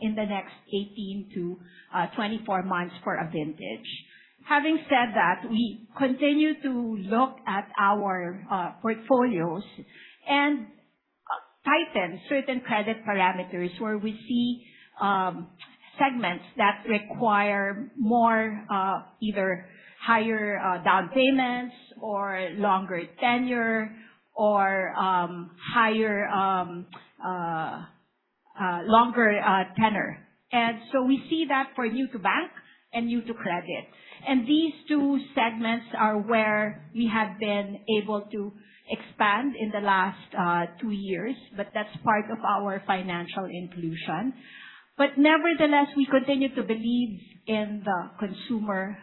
in the next 1824 months for a vintage. Having said that, we continue to look at our portfolios and tighten certain credit parameters where we see segments that require more, either higher down payments or longer tenure. We see that for new to bank and new to credit. These two segments are where we have been able to expand in the last two years, but that is part of our financial inclusion. Nevertheless, we continue to believe in the consumer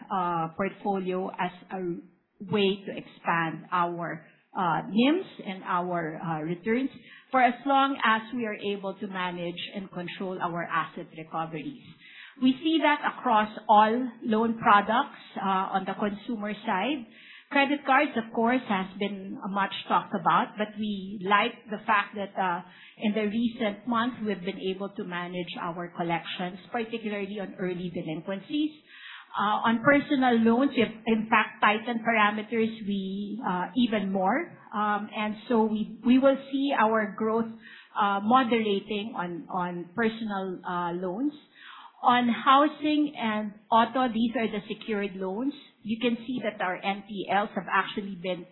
portfolio as a way to expand our NIMs and our returns for as long as we are able to manage and control our asset recoveries. We see that across all loan products on the consumer side. Credit cards, of course, has been much talked about, but we like the fact that in the recent months, we have been able to manage our collections, particularly on early delinquencies. On personal loans, we have in fact tightened parameters even more. We will see our growth moderating on personal loans. On housing and auto, these are the secured loans. You can see that our NPLs have actually been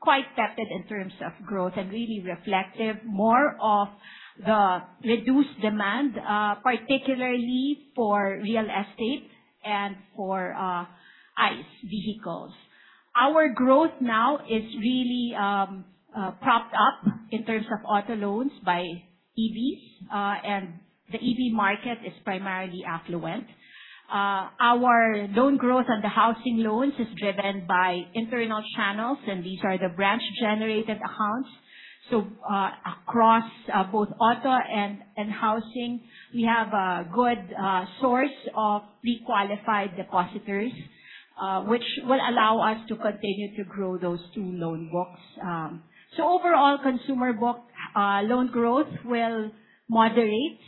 quite stepped in terms of growth and really reflective more of the reduced demand, particularly for real estate and for ICE vehicles. Our growth now is really propped up in terms of auto loans by EVs, and the EV market is primarily affluent. Our loan growth on the housing loans is driven by internal channels, and these are the branch-generated accounts. Across both auto and housing, we have a good source of pre-qualified depositors, which will allow us to continue to grow those two loan books. Overall consumer book loan growth will moderate,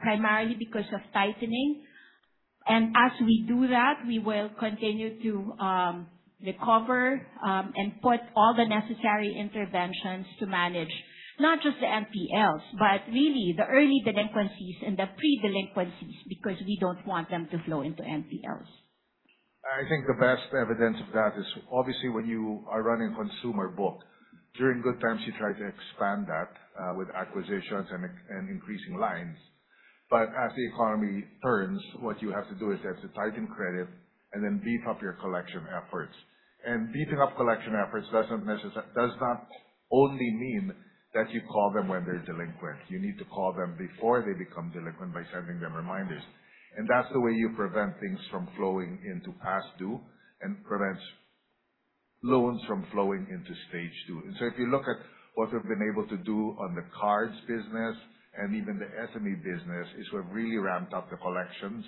primarily because of tightening. As we do that, we will continue to recover and put all the necessary interventions to manage not just the NPLs, but really the early delinquencies and the pre-delinquencies, because we don't want them to flow into NPLs. I think the best evidence of that is obviously when you are running consumer book. During good times, you try to expand that with acquisitions and increasing lines. As the economy turns, what you have to do is you have to tighten credit and then beef up your collection efforts. Beefing up collection efforts does not only mean that you call them when they're delinquent. You need to call them before they become delinquent by sending them reminders. That's the way you prevent things from flowing into past due and prevents loans from flowing into Stage 2. If you look at what we've been able to do on the cards business and even the SME business, is we've really ramped up the collections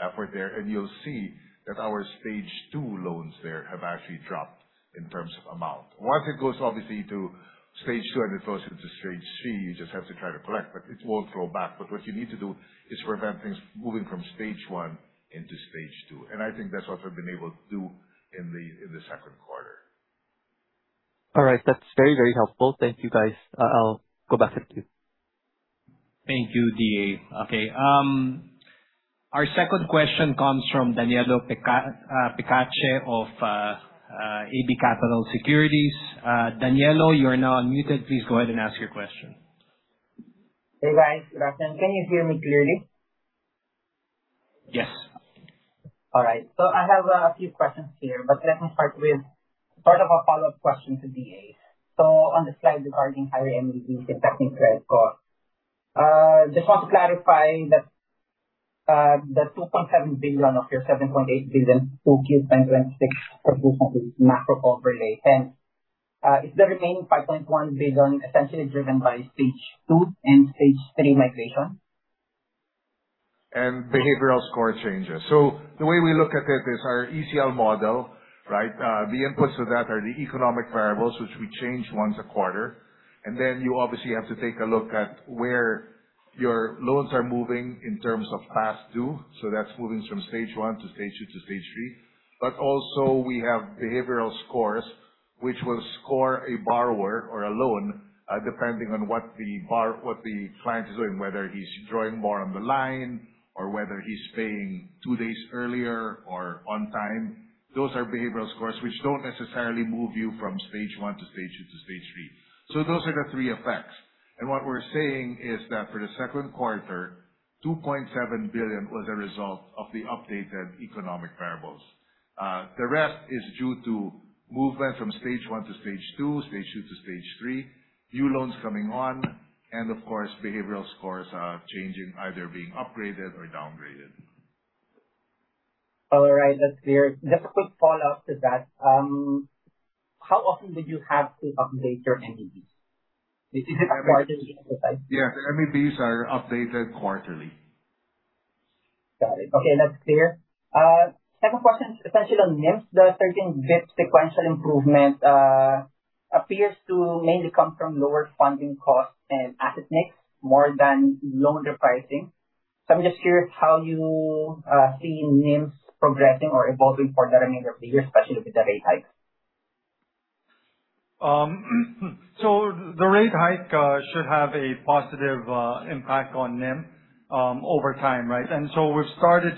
effort there. You'll see that our Stage 2 loans there have actually dropped in terms of amount. Once it goes obviously to Stage 2 and it goes into Stage 3, you just have to try to collect, but it won't flow back. What you need to do is prevent things moving from Stage 1 into Stage 2. I think that's what we've been able to do in the second quarter. All right. That's very helpful. Thank you, guys. I'll go back with you. Thank you, D.A. Okay. Our second question comes from Danielo Picache of AB Capital Securities. Danielo, you are now unmuted. Please go ahead and ask your question. Hey, guys. Good afternoon. Can you hear me clearly? Yes. All right. I have a few questions here, but let me start with sort of a follow-up question to D.A. On the slide regarding higher MEV, if that makes right course. Just want to clarify that the 2.7 billion of your 7.8 billion 2Q 2026 macro overlay. Is the remaining 5.1 billion essentially driven by Stage 2 and Stage 3 migration? Behavioral score changes. The way we look at it is our ECL model, right? The inputs to that are the economic variables, which we change once a quarter. You obviously have to take a look at where your loans are moving in terms of past due. That's moving from Stage 1 to Stage 2 to Stage 3. Also we have behavioral scores, which will score a borrower or a loan, depending on what the client is doing, whether he's drawing more on the line or whether he's paying two days earlier or on time. Those are behavioral scores, which don't necessarily move you from Stage 1 to Stage 2 to Stage 3. Those are the three effects. What we're saying is that for the second quarter, 2.7 billion was a result of the updated economic variables. The rest is due to movement from Stage 1 to Stage 2, Stage 2 to Stage 3, new loans coming on, and of course, behavioral scores changing, either being upgraded or downgraded. All right. That's clear. Just a quick follow-up to that. How often did you have to update your MEVs? Is it quarterly? Yeah. MEVs are updated quarterly. Got it. Okay. That's clear. Second question is essentially on NIMs. There are certain bit sequential improvement, Appears to mainly come from lower funding costs and asset mix more than loan repricing. I'm just curious how you see NIMs progressing or evolving for the remainder of the year, especially with the rate hikes. The rate hike should have a positive impact on NIM over time. We've started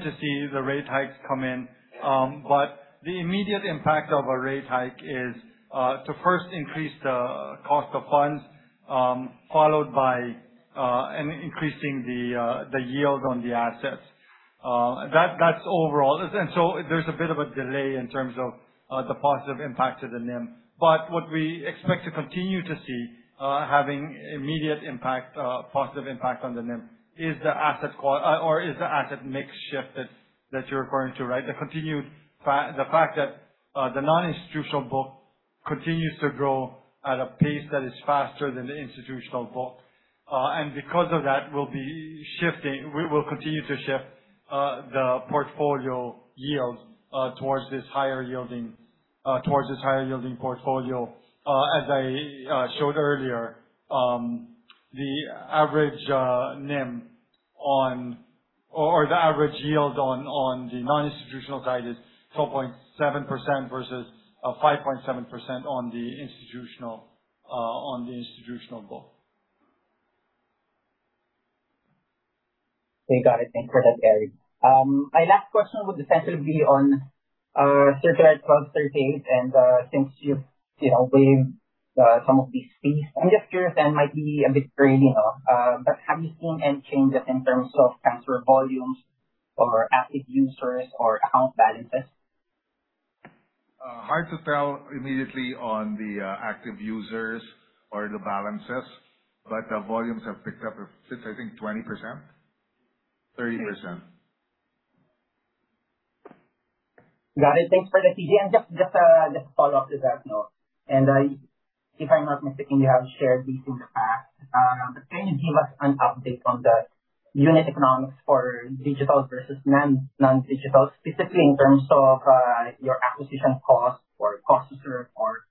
to see the rate hikes come in. The immediate impact of a rate hike is to first increase the cost of funds, followed by increasing the yield on the assets. That's overall. There's a bit of a delay in terms of the positive impact to the NIM. What we expect to continue to see having immediate positive impact on the NIM is the asset mix shift that you're referring to. The fact that the non-institutional book continues to grow at a pace that is faster than the institutional book. Because of that, we will continue to shift the portfolio yield towards this higher yielding portfolio. As I showed earlier, the average NIM or the average yield on the non-institutional side is 12.7% versus 5.7% on the institutional book. Okay, got it. Thanks for that, Eric. My last question would essentially be on Circular 1238 and since you've waived some of these fees. I'm just curious and it might be a bit early, but have you seen any changes in terms of transfer volumes or active users or account balances? Hard to tell immediately on the active users or the balances, but the volumes have picked up since, I think, 20%, 30%. Got it. Thanks for that, TG. Just a follow-up to that note. If I'm not mistaken, you have shared this in the past. Can you give us an update on the unit economics for digital versus non-digital, specifically in terms of your acquisition cost or cost to serve, or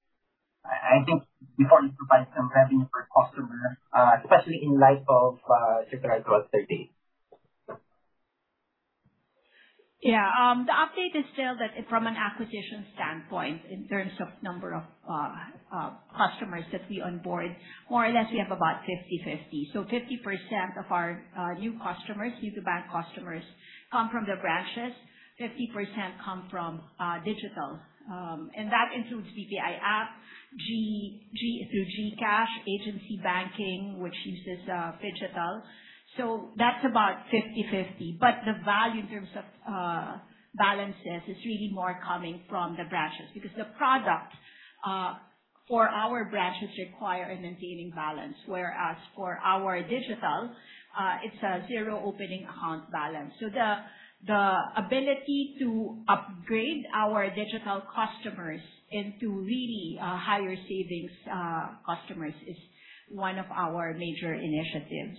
I think it's important to provide some revenue per customer, especially in light of Circular 1230. Yeah. The update is still that from an acquisition standpoint, in terms of number of customers that we onboard, more or less, we have about 50/50. 50% of our new customers, new to bank customers, come from the branches, 50% come from digital. That includes BPI app, through GCash, agency banking, which uses Phygital. That's about 50/50. The value in terms of balances is really more coming from the branches because the product for our branches require a maintaining balance. Whereas for our digital, it's a zero opening account balance. The ability to upgrade our digital customers into really higher savings customers is one of our major initiatives.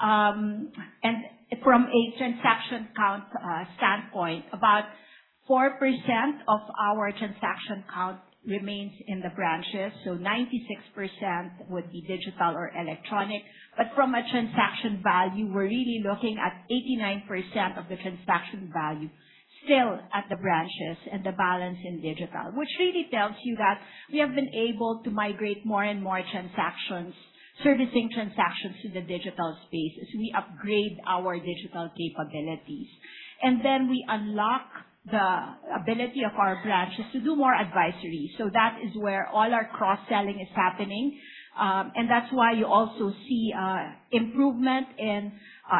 From a transaction count standpoint, about 4% of our transaction count remains in the branches. 96% would be digital or electronic. From a transaction value, we're really looking at 89% of the transaction value still at the branches and the balance in digital. Which really tells you that we have been able to migrate more and more transactions, servicing transactions to the digital space as we upgrade our digital capabilities. Then we unlock the ability of our branches to do more advisory. That is where all our cross-selling is happening. That's why you also see improvement in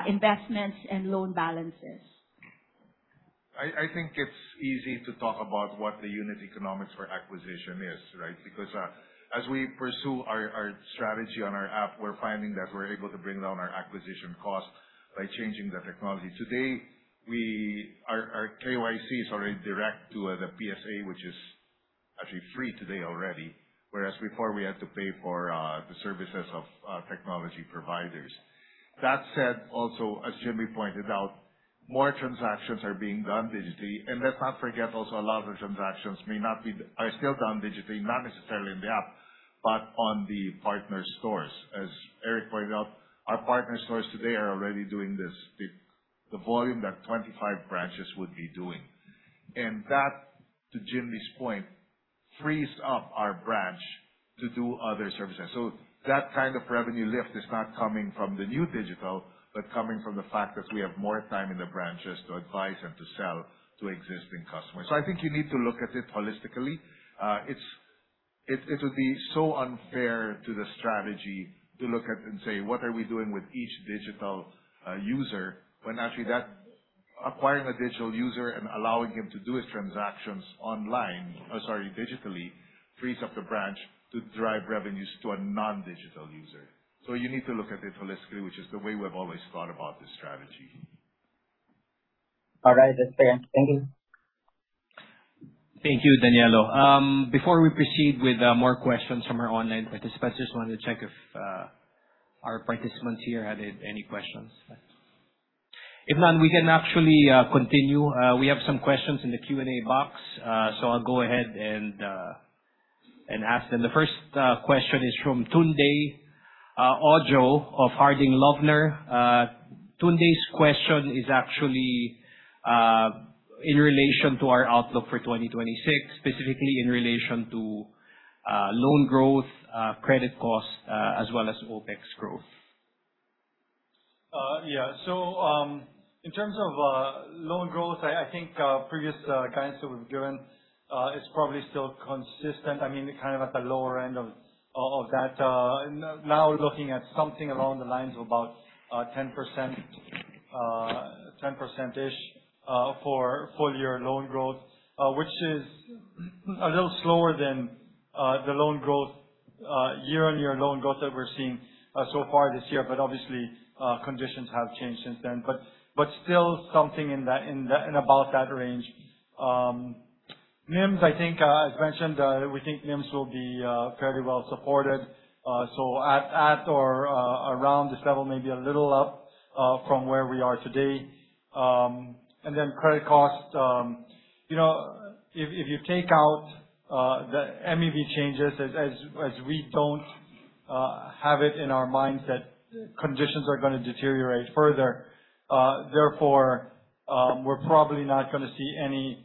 investments and loan balances. I think it's easy to talk about what the unit economics for acquisition is. Because as we pursue our strategy on our app, we're finding that we're able to bring down our acquisition cost by changing the technology. Today, our KYC is already direct to the PSA, which is actually free today already. Whereas before we had to pay for the services of technology providers. That said, also, as Ginbee pointed out, more transactions are being done digitally. Let's not forget also, a lot of transactions are still done digitally, not necessarily in the app, but on the partner stores. As Eric pointed out, our partner stores today are already doing the volume that 25 branches would be doing. That, to Ginbee's point, frees up our branch to do other services. That kind of revenue lift is not coming from the new digital, but coming from the fact that we have more time in the branches to advise and to sell to existing customers. I think you need to look at it holistically. It would be so unfair to the strategy to look at and say, What are we doing with each digital user? When actually acquiring a digital user and allowing him to do his transactions digitally frees up the branch to drive revenues to a non-digital user. You need to look at it holistically, which is the way we've always thought about this strategy. All right. That's fair. Thank you. Thank you, Danielo. Before we proceed with more questions from our online participants, just wanted to check if our participants here had any questions. If not, we can actually continue. We have some questions in the Q&A box, so I'll go ahead and ask them. The first question is from Babatunde Ojo of Harding Loevner. Tunde's question is actually in relation to our outlook for 2026, specifically in relation to loan growth, credit costs, as well as OPEX growth. In terms of loan growth, I think previous guidance that we've given is probably still consistent. Kind of at the lower end of all that. Now we're looking at something along the lines of about 10%-ish for full year loan growth, which is a little slower than the year-on-year loan growth that we're seeing so far this year. Obviously, conditions have changed since then. Still something in about that range. NIMS, as mentioned, we think NIMS will be fairly well-supported. So at or around this level, maybe a little up from where we are today. Credit costs, if you take out the MEV changes, as we don't have it in our mindset, conditions are going to deteriorate further. Therefore, we're probably not going to see any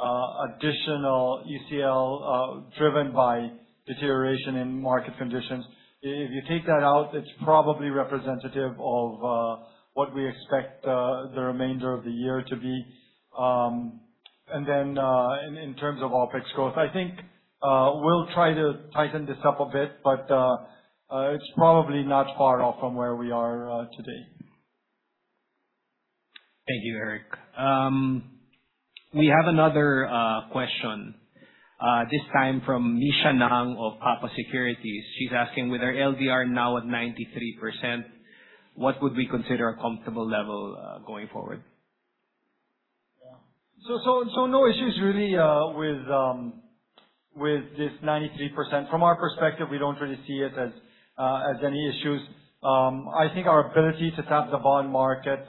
additional ECL driven by deterioration in market conditions. If you take that out, it's probably representative of what we expect the remainder of the year to be. In terms of OPEX growth, I think we'll try to tighten this up a bit, but it's probably not far off from where we are today. Thank you, Eric. We have another question, this time from Nisha Nang of Papa Securities. She's asking, with our LDR now at 93%, what would we consider a comfortable level going forward? No issues really with this 93%. From our perspective, we don't really see it as any issues. I think our ability to tap the bond market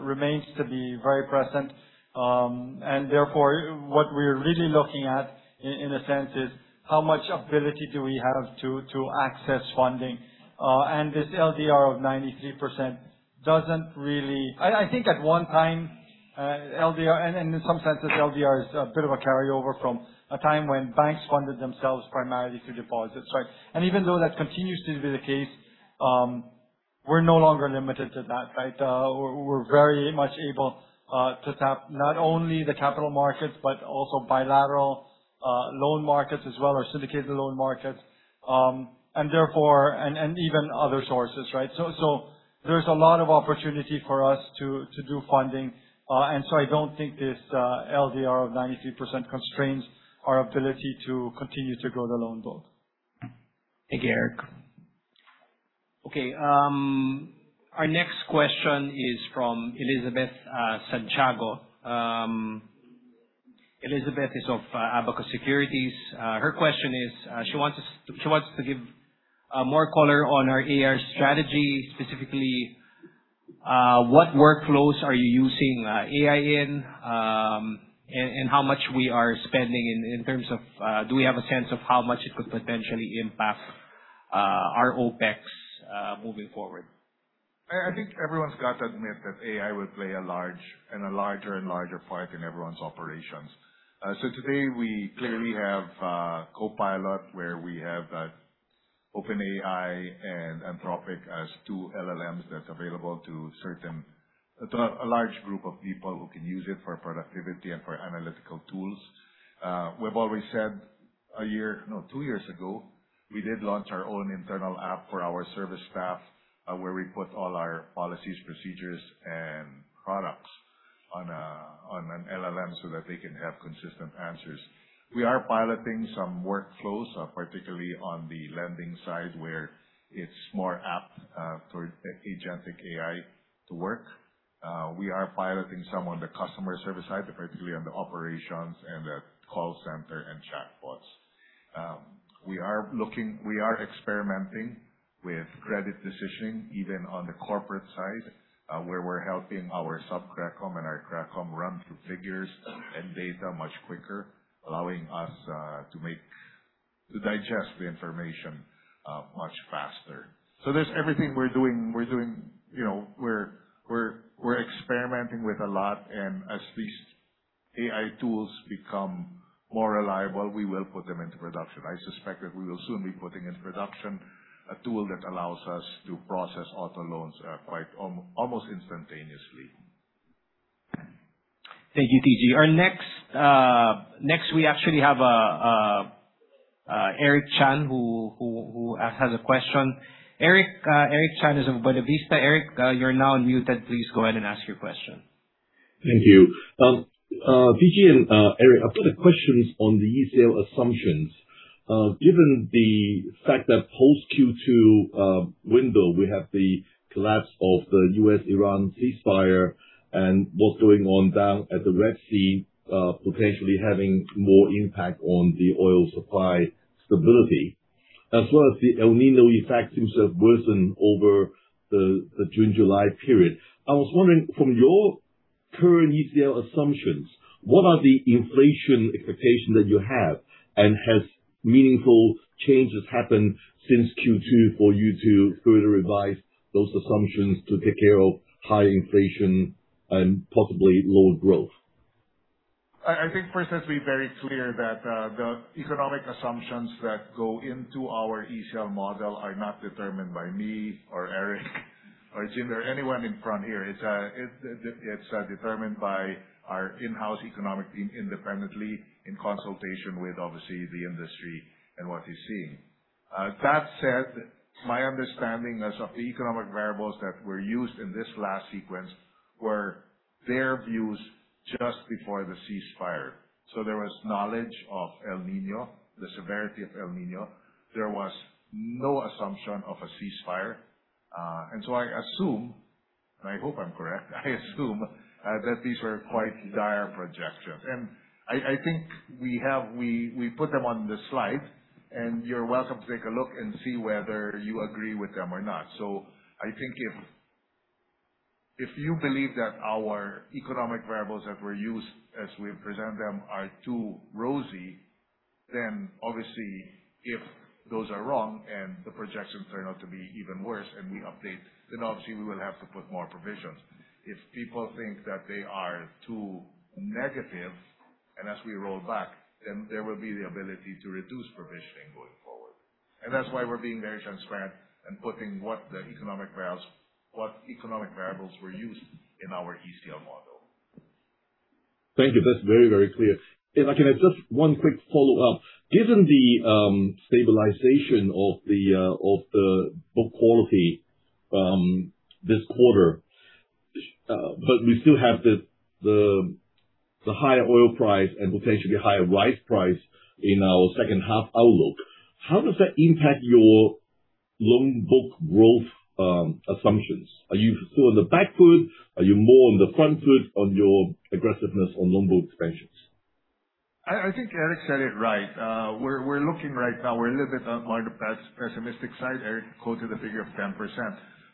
remains to be very present. What we're really looking at, in a sense, is how much ability do we have to access funding? This LDR of 93% doesn't really I think at one time, and in some sense, this LDR is a bit of a carryover from a time when banks funded themselves primarily through deposits, right? Even though that continues to be the case, we're no longer limited to that. We're very much able to tap not only the capital markets but also bilateral loan markets as well, or syndicated loan markets, and even other sources, right? There's a lot of opportunity for us to do funding. I don't think this LDR of 93% constrains our ability to continue to grow the loan book. Thank you, Eric. Our next question is from Elizabeth Santiago. Elizabeth is of Abacus Securities. Her question is, she wants to give more color on our AI strategy, specifically, what workflows are you using AI in? How much we are spending in terms of, do we have a sense of how much it could potentially impact our OPEX moving forward? I think everyone's got to admit that AI will play a larger and larger part in everyone's operations. Today, we clearly have Copilot, where we have that OpenAI and Anthropic as two LLMs that's available to a large group of people who can use it for productivity and for analytical tools. We've already said two years ago, we did launch our own internal app for our service staff, where we put all our policies, procedures, and products on an LLM so that they can have consistent answers. We are piloting some workflows, particularly on the lending side, where it's more apt for agentic AI to work. We are piloting some on the customer service side, particularly on the operations and the call center and chatbots. We are experimenting with credit decisioning, even on the corporate side, where we're helping our sub-CredCom and our CredCom run through figures and data much quicker, allowing us to digest the information much faster. There's everything we're doing. We're experimenting with a lot, and as these AI tools become more reliable, we will put them into production. I suspect that we will soon be putting in production a tool that allows us to process auto loans almost instantaneously. Thank you, TG. Next, we actually have Eric Chan, who has a question. Eric Chan is of Buena Vista. Eric, you're now unmuted. Please go ahead and ask your question. Thank you. TG and Eric, a couple of questions on the ECL assumptions. Given the fact that post Q2 window, we have the collapse of the U.S.-Iran ceasefire and what's going on down at the Red Sea, potentially having more impact on the oil supply stability as well as the El Niño effects seems to have worsened over the June-July period. I was wondering from your current ECL assumptions, what are the inflation expectations that you have? Has meaningful changes happened since Q2 for you to further revise those assumptions to take care of high inflation and possibly lower growth? First let's be very clear that the economic assumptions that go into our ECL model are not determined by me or Eric or Ginbee or anyone in front here. It's determined by our in-house economic team independently in consultation with, obviously, the industry and what they're seeing. That said, my understanding is of the economic variables that were used in this last sequence were their views just before the ceasefire. There was knowledge of El Niño, the severity of El Niño. There was no assumption of a ceasefire. I assume, and I hope I'm correct, I assume that these were quite dire projections. I think we put them on the slide, and you're welcome to take a look and see whether you agree with them or not. I think if you believe that our economic variables that were used as we present them are too rosy, obviously if those are wrong and the projections turn out to be even worse and we update, obviously we will have to put more provisions. If people think that they are too negative and as we roll back, there will be the ability to reduce provisioning going forward. That's why we're being very transparent in putting what economic variables were used in our ECL model. Thank you. That's very, very clear. If I can add just one quick follow-up. Given the stabilization of the book quality this quarter, we still have the higher oil price and potentially higher rice price in our second half outlook, how does that impact your loan book growth assumptions? Are you still on the back foot? Are you more on the front foot on your aggressiveness on loan book expansions? I think Eric said it right. We're looking right now, we're a little bit on more the pessimistic side. Eric quoted a figure of 10%.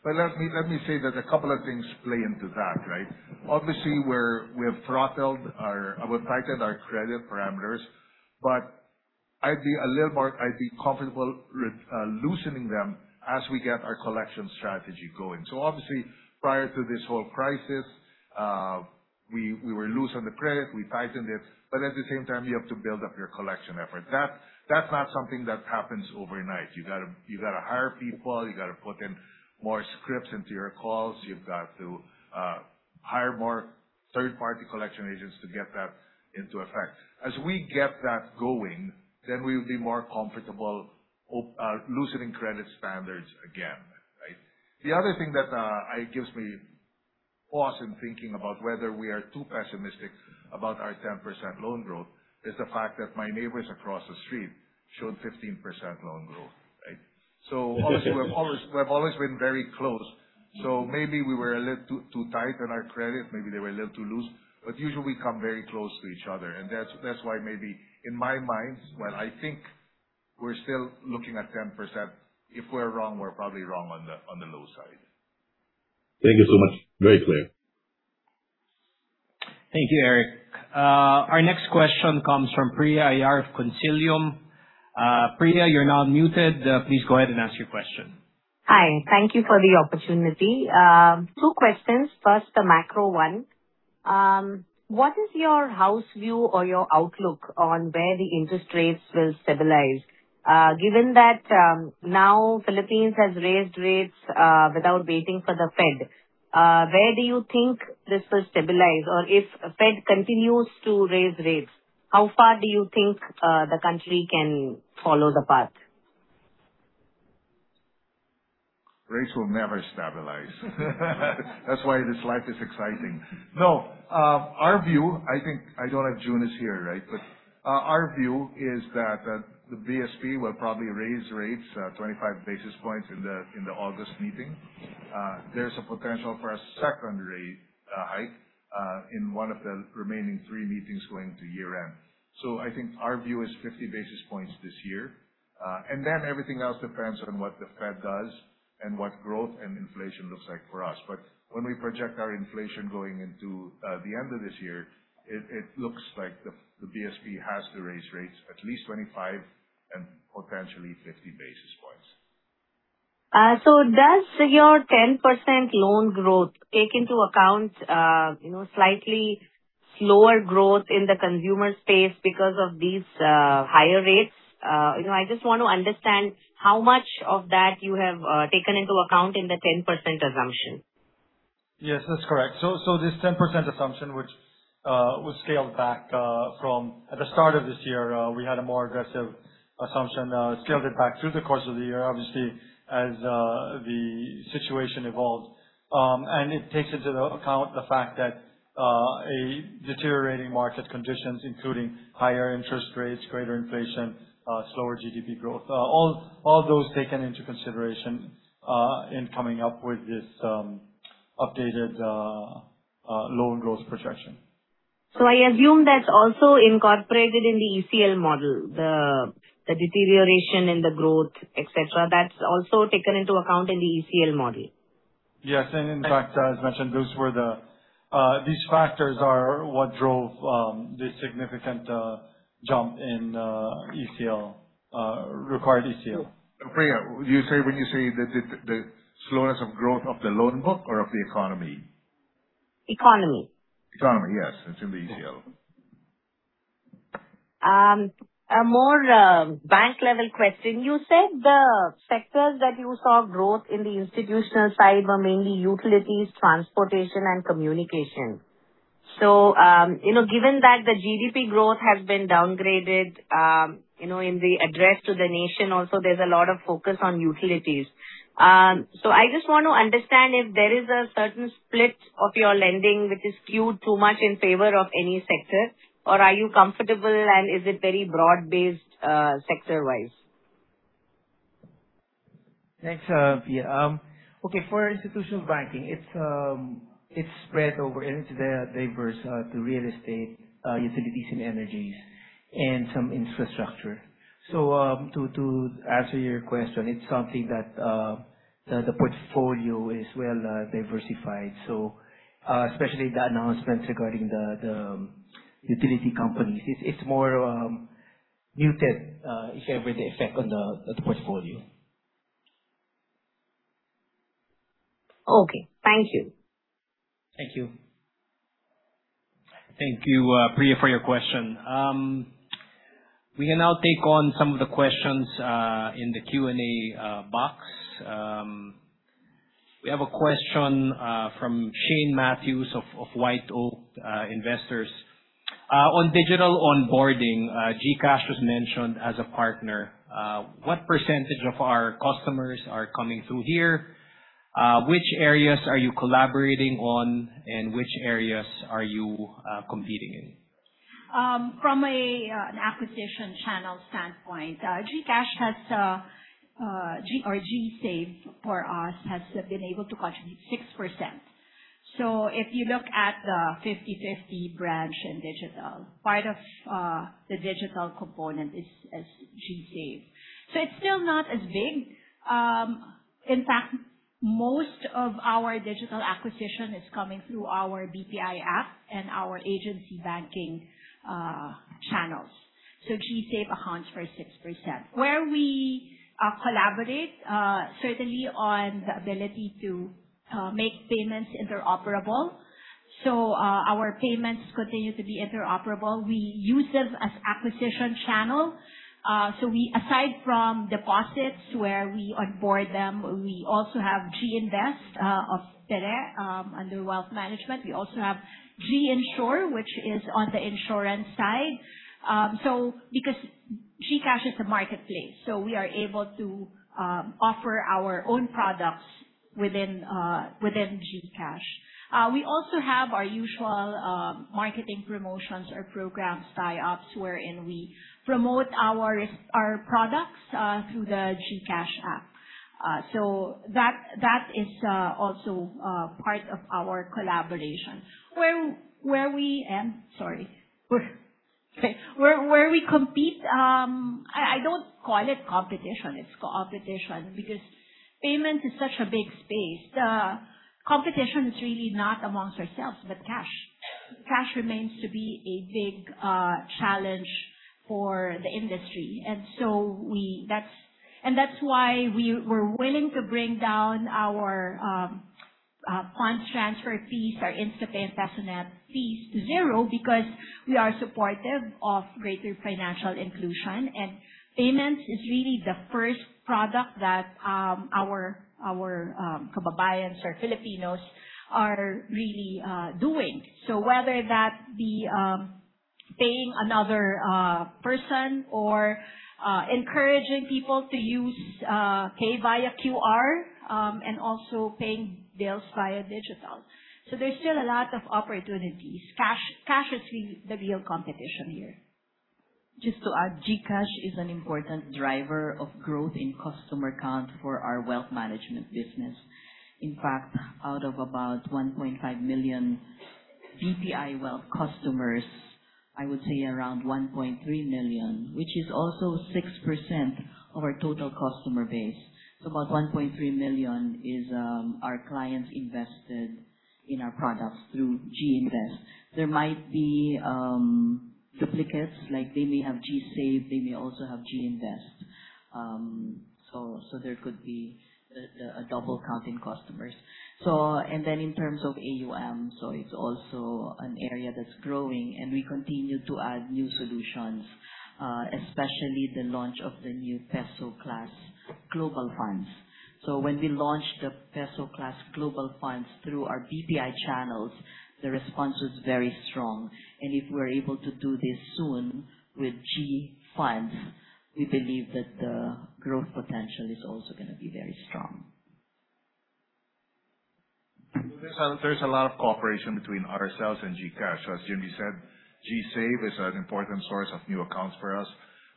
Let me say that a couple of things play into that, right? Obviously, we've tightened our credit parameters. I'd be comfortable loosening them as we get our collection strategy going. Obviously, prior to this whole crisis, we were loose on the credit. We tightened it. At the same time, you have to build up your collection effort. That's not something that happens overnight. You've got to hire people. You've got to put in more scripts into your calls. You've got to hire more third-party collection agents to get that into effect. As we get that going, we'll be more comfortable loosening credit standards again, right? The other thing that gives me pause in thinking about whether we are too pessimistic about our 10% loan growth is the fact that my neighbors across the street showed 15% loan growth, right? We've always been very close. Maybe we were a little too tight on our credit. Maybe they were a little too loose. Usually we come very close to each other. That's why maybe in my mind, while I think we're still looking at 10%, if we're wrong, we're probably wrong on the low side. Thank you so much. Very clear. Thank you, Eric. Our next question comes from Priya Ayyar of Consilium. Priya, you're now unmuted. Please go ahead and ask your question. Hi, thank you for the opportunity. Two questions. First, the macro one. What is your house view or your outlook on where the interest rates will stabilize? Given that now Philippines has raised rates without waiting for the Fed, where do you think this will stabilize? If Fed continues to raise rates, how far do you think the country can follow the path? Rates will never stabilize. That's why this life is exciting. Our view, I think, I know that Jun is here, right? Our view is that the BSP will probably raise rates 25 basis points in the August meeting. There's a potential for a second rate hike in one of the remaining three meetings going to year-end. I think our view is 50 basis points this year. Everything else depends on what the Fed does and what growth and inflation looks like for us. When we project our inflation going into the end of this year, it looks like the BSP has to raise rates at least 25 and potentially 50 basis points. Does your 10% loan growth take into account slightly slower growth in the consumer space because of these higher rates? I just want to understand how much of that you have taken into account in the 10% assumption. Yes, that's correct. This 10% assumption, which was scaled back from at the start of this year, we had a more aggressive assumption, scaled it back through the course of the year, obviously, as the situation evolved. It takes into account the fact that a deteriorating market conditions, including higher interest rates, greater inflation, slower GDP growth, all those taken into consideration in coming up with this updated loan growth projection. I assume that's also incorporated in the ECL model, the deterioration in the growth, etc., that's also taken into account in the ECL model. Yes. In fact, as mentioned, these factors are what drove this significant jump in required ECL. Priya, when you say the slowness of growth, of the loan book or of the economy? Economy. Economy, yes. It's in the ECL. A more bank-level question. You said the sectors that you saw growth in the institutional side were mainly utilities, transportation, and communication. Given that the GDP growth has been downgraded, in the address to the nation also, there's a lot of focus on utilities. I just want to understand if there is a certain split of your lending which is skewed too much in favor of any sector, or are you comfortable, and is it very broad-based, sector-wise? Thanks, Priya. For institutional banking, it's spread over and it's diverse to real estate, utilities, and energies, and some infrastructure. To answer your question, it's something that the portfolio is well-diversified. Especially the announcements regarding the utility companies, it's more muted, if ever, the effect on the portfolio. Thank you. Thank you. Thank you, Priya, for your question. We can now take on some of the questions in the Q&A box. We have a question from Shane Mathews of White Oak Investments. On digital onboarding, GCash was mentioned as a partner. What percentage of our customers are coming through here? Which areas are you collaborating on, and which areas are you competing in? From an acquisition channel standpoint, GCash or GSave, for us, has been able to contribute 6%. If you look at the 50/50 branch and digital, part of the digital component is GSave. It's still not as big. In fact, most of our digital acquisition is coming through our BPI app and our agency banking channels. GSave accounts for 6%. Where we collaborate, certainly on the ability to make payments interoperable. Our payments continue to be interoperable. We use them as acquisition channel. Aside from deposits where we onboard them, we also have GInvest of Tere under wealth management. We also have GInsure, which is on the insurance side. Because GCash is a marketplace, we are able to offer our own products within GCash. We also have our usual marketing promotions or programs tie-ups wherein we promote our products through the GCash app. That is also part of our collaboration. Where we compete, I don't call it competition, it's co-opetition, because payments is such a big space. The competition is really not amongst ourselves, but cash. Cash remains to be a big challenge for the industry. That's why we're willing to bring down our funds transfer fees, our InstaPay and PersonToPerson fees to zero because we are supportive of greater financial inclusion, and payments is really the first product that our kababayans or Filipinos are really doing. Whether that be paying another person or encouraging people to use pay via QR, and also paying bills via digital. There's still a lot of opportunities. Cash is the real competition here. Just to add, GCash is an important driver of growth in customer count for our wealth management business. In fact, out of about 1.5 million BPI Wealth customers, I would say around 1.3 million, which is also 6% of our total customer base. About 1.3 million is our clients invested in our products through GInvest. There might be duplicates, like they may have GSave, they may also have GInvest. There could be a double count in customers. In terms of AUM, it's also an area that's growing, and we continue to add new solutions, especially the launch of the new peso class global funds. When we launched the peso class global funds through our BPI channels, the response was very strong. If we're able to do this soon with G Funds, we believe that the growth potential is also going to be very strong. There's a lot of cooperation between ourselves and GCash. As Ginbee said, GSave is an important source of new accounts for us.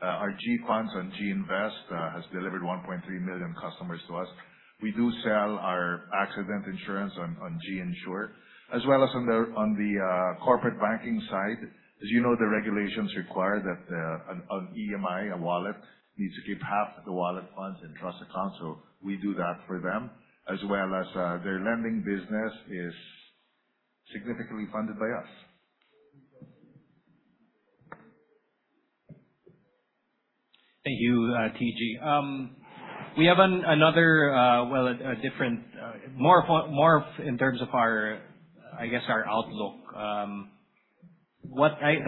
Our G funds on GInvest has delivered 1.3 million customers to us. We do sell our accident insurance on GInsure, as well as on the corporate banking side. As you know, the regulations require that an EMI, a wallet, needs to keep half of the wallet funds in trust account, so we do that for them, as well as their lending business is significantly funded by us. Thank you, TG. We have another, well. The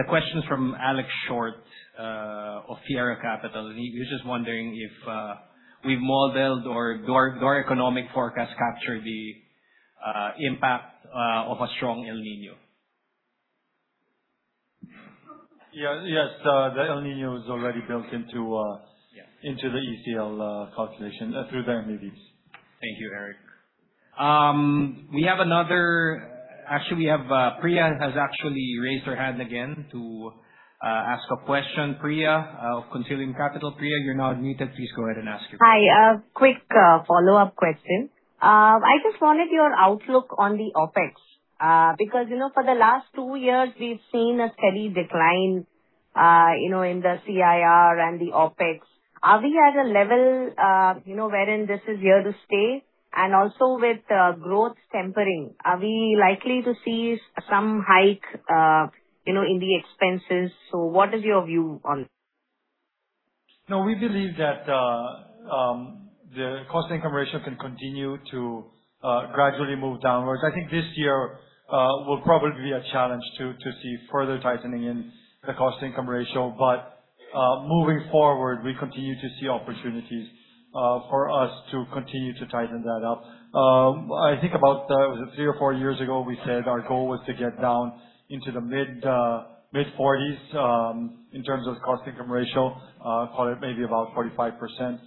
question's from Alex Short of Fiera Capital. He's just wondering if we've modeled or do our economic forecast capture the impact of a strong El Niño. Yes. The El Niño is already built into the ECL calculation through the MEVs. Thank you, Eric. Actually, we have Priya has actually raised her hand again to ask a question. Priya of Consilium Capital. Priya, you're now unmuted. Please go ahead and ask your question. Hi. A quick follow-up question. I just wanted your outlook on the OPEX. Because for the last two years, we've seen a steady decline in the CIR and the OPEX. Are we at a level wherein this is here to stay? With growth tempering, are we likely to see some hike in the expenses? What is your view on this? No, we believe that the cost-income ratio can continue to gradually move downwards. I think this year will probably be a challenge to see further tightening in the cost-income ratio. Moving forward, we continue to see opportunities for us to continue to tighten that up. I think about, was it three or four years ago, we said our goal was to get down into the mid-40s in terms of cost-income ratio, call it maybe about 45%.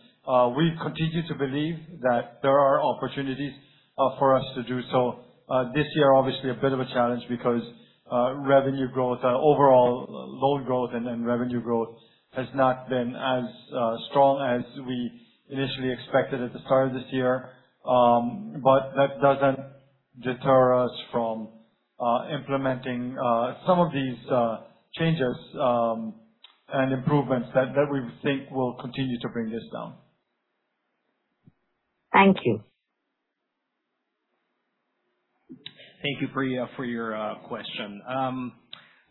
We continue to believe that there are opportunities for us to do so. This year, obviously, a bit of a challenge because overall loan growth and revenue growth has not been as strong as we initially expected at the start of this year. That doesn't deter us from implementing some of these changes and improvements that we think will continue to bring this down. Thank you. Thank you, Priya, for your question.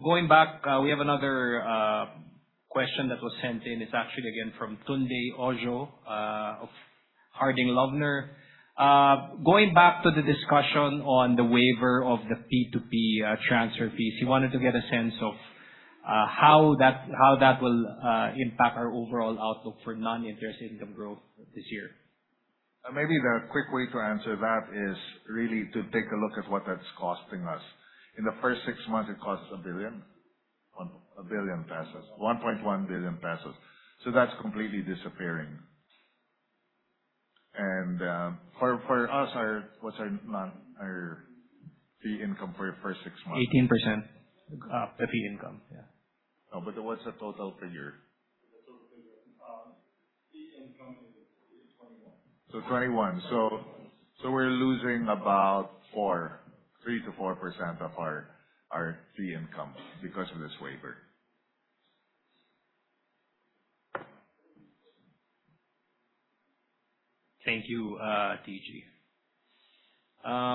Going back, we have another question that was sent in. It's actually again from Babatunde Ojo of Harding Loevner. Going back to the discussion on the waiver of the P2P transfer fees, he wanted to get a sense of how that will impact our overall outlook for non-interest income growth this year. Maybe the quick way to answer that is really to take a look at what that's costing us. In the first six months, it costs 1 billion, 1.1 billion pesos. That's completely disappearing. For us, what's our fee income for the first six months? 18% of the fee income. Yeah. No, what's the total per year? The total per year. Fee income is 21. 21. We're losing about 3%-4% of our fee income because of this waiver. Thank you, TG. I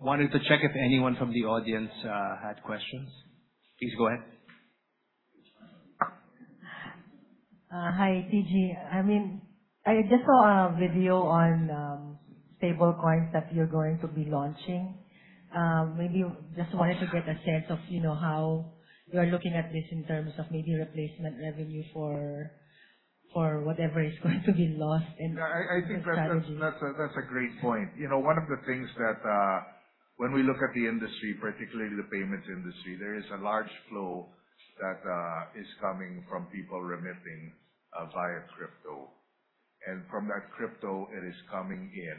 wanted to check if anyone from the audience had questions. Please go ahead. Hi, TG. I just saw a video on stable coins that you're going to be launching. Maybe I just wanted to get a sense of how you're looking at this in terms of maybe replacement revenue for whatever is going to be lost in the strategy. I think that's a great point. One of the things that when we look at the industry, particularly the payments industry, there is a large flow that is coming from people remitting via crypto. From that crypto, it is coming in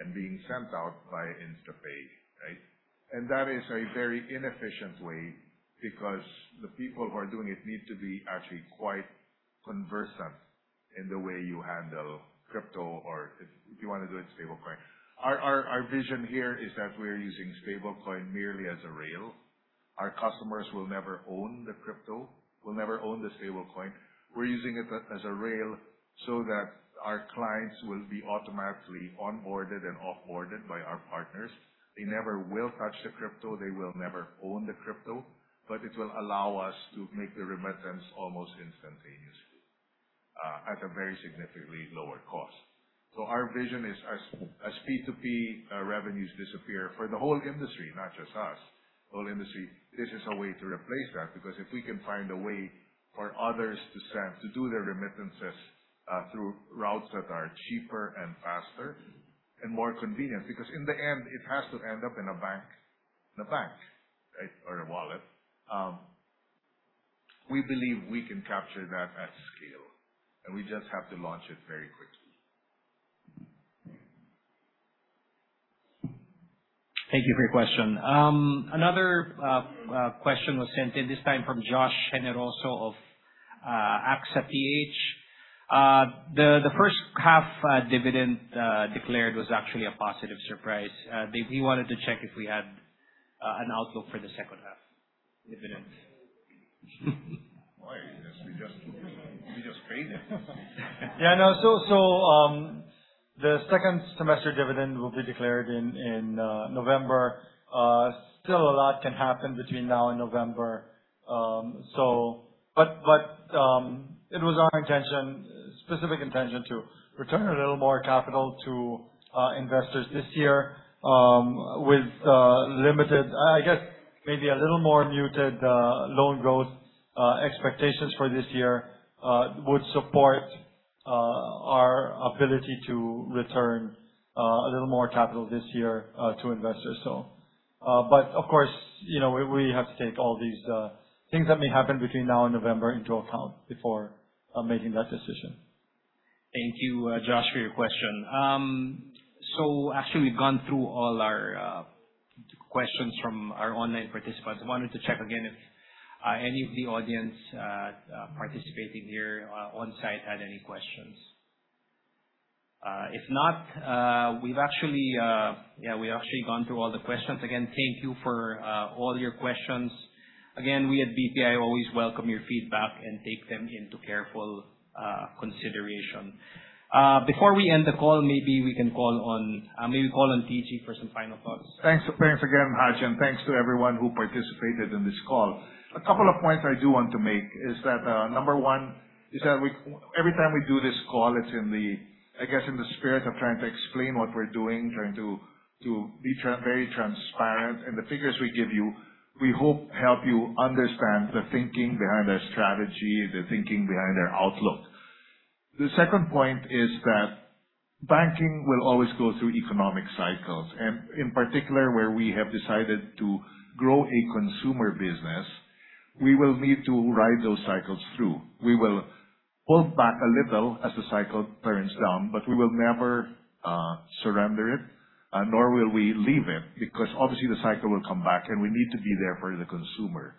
and being sent out via InstaPay. That is a very inefficient way because the people who are doing it need to be actually quite conversant in the way you handle crypto or if you want to do it stable coin. Our vision here is that we're using stable coin merely as a rail. Our customers will never own the crypto, will never own the stable coin. We're using it as a rail so that our clients will be automatically onboarded and off-boarded by our partners. They never will touch the crypto. They will never own the crypto. It will allow us to make the remittance almost instantaneously at a very significantly lower cost. Our vision is as P2P revenues disappear for the whole industry, not just us, whole industry, this is a way to replace that. If we can find a way for others to do their remittances through routes that are cheaper and faster and more convenient, because in the end, it has to end up in a bank or a wallet. We believe we can capture that at scale, and we just have to launch it very quickly. Thank you for your question. Another question was sent in, this time from Josh Generoso of AXA PH. The first half dividend declared was actually a positive surprise. He wanted to check if we had an outlook for the second half dividend. Why? We just paid it. Yeah, I know. The second semester dividend will be declared in November. Still a lot can happen between now and November. It was our specific intention to return a little more capital to investors this year with limited, maybe a little more muted loan growth expectations for this year, would support our ability to return a little more capital this year to investors. Of course, we have to take all these things that may happen between now and November into account before making that decision. Thank you, Josh, for your question. Actually, we've gone through all our questions from our online participants. I wanted to check again if any of the audience participating here on-site had any questions. If not, we've actually gone through all the questions. Again, thank you for all your questions. Again, we at BPI always welcome your feedback and take them into careful consideration. Before we end the call, maybe we'll call on TG for some final thoughts. Thanks again, Haj, and thanks to everyone who participated in this call. A couple of points I do want to make is that, number one, every time we do this call, it's in the spirit of trying to explain what we're doing, trying to be very transparent. The figures we give you, we hope help you understand the thinking behind our strategy, the thinking behind our outlook. The second point is that banking will always go through economic cycles. In particular, where we have decided to grow a consumer business, we will need to ride those cycles through. We will hold back a little as the cycle turns down, but we will never surrender it, nor will we leave it, because obviously the cycle will come back, and we need to be there for the consumer.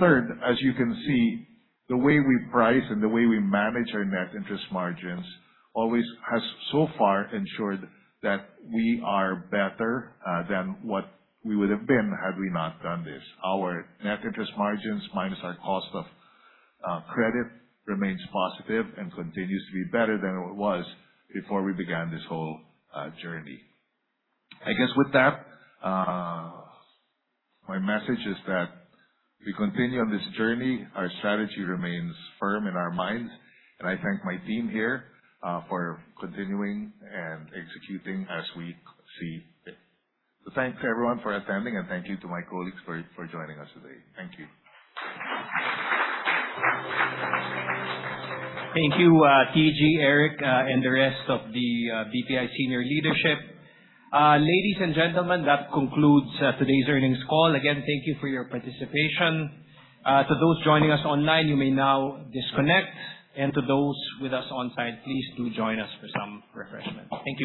Third, as you can see, the way we price and the way we manage our net interest margins always has so far ensured that we are better than what we would've been had we not done this. Our net interest margins, minus our cost of credit, remains positive and continues to be better than it was before we began this whole journey. I guess with that, my message is that we continue on this journey. Our strategy remains firm in our minds, and I thank my team here for continuing and executing as we see fit. Thanks, everyone, for attending, and thank you to my colleagues for joining us today. Thank you. Thank you, TG, Eric, and the rest of the BPI senior leadership. Ladies and gentlemen, that concludes today's earnings call. Again, thank you for your participation. To those joining us online, you may now disconnect, and to those with us on-site, please do join us for some refreshments. Thank you.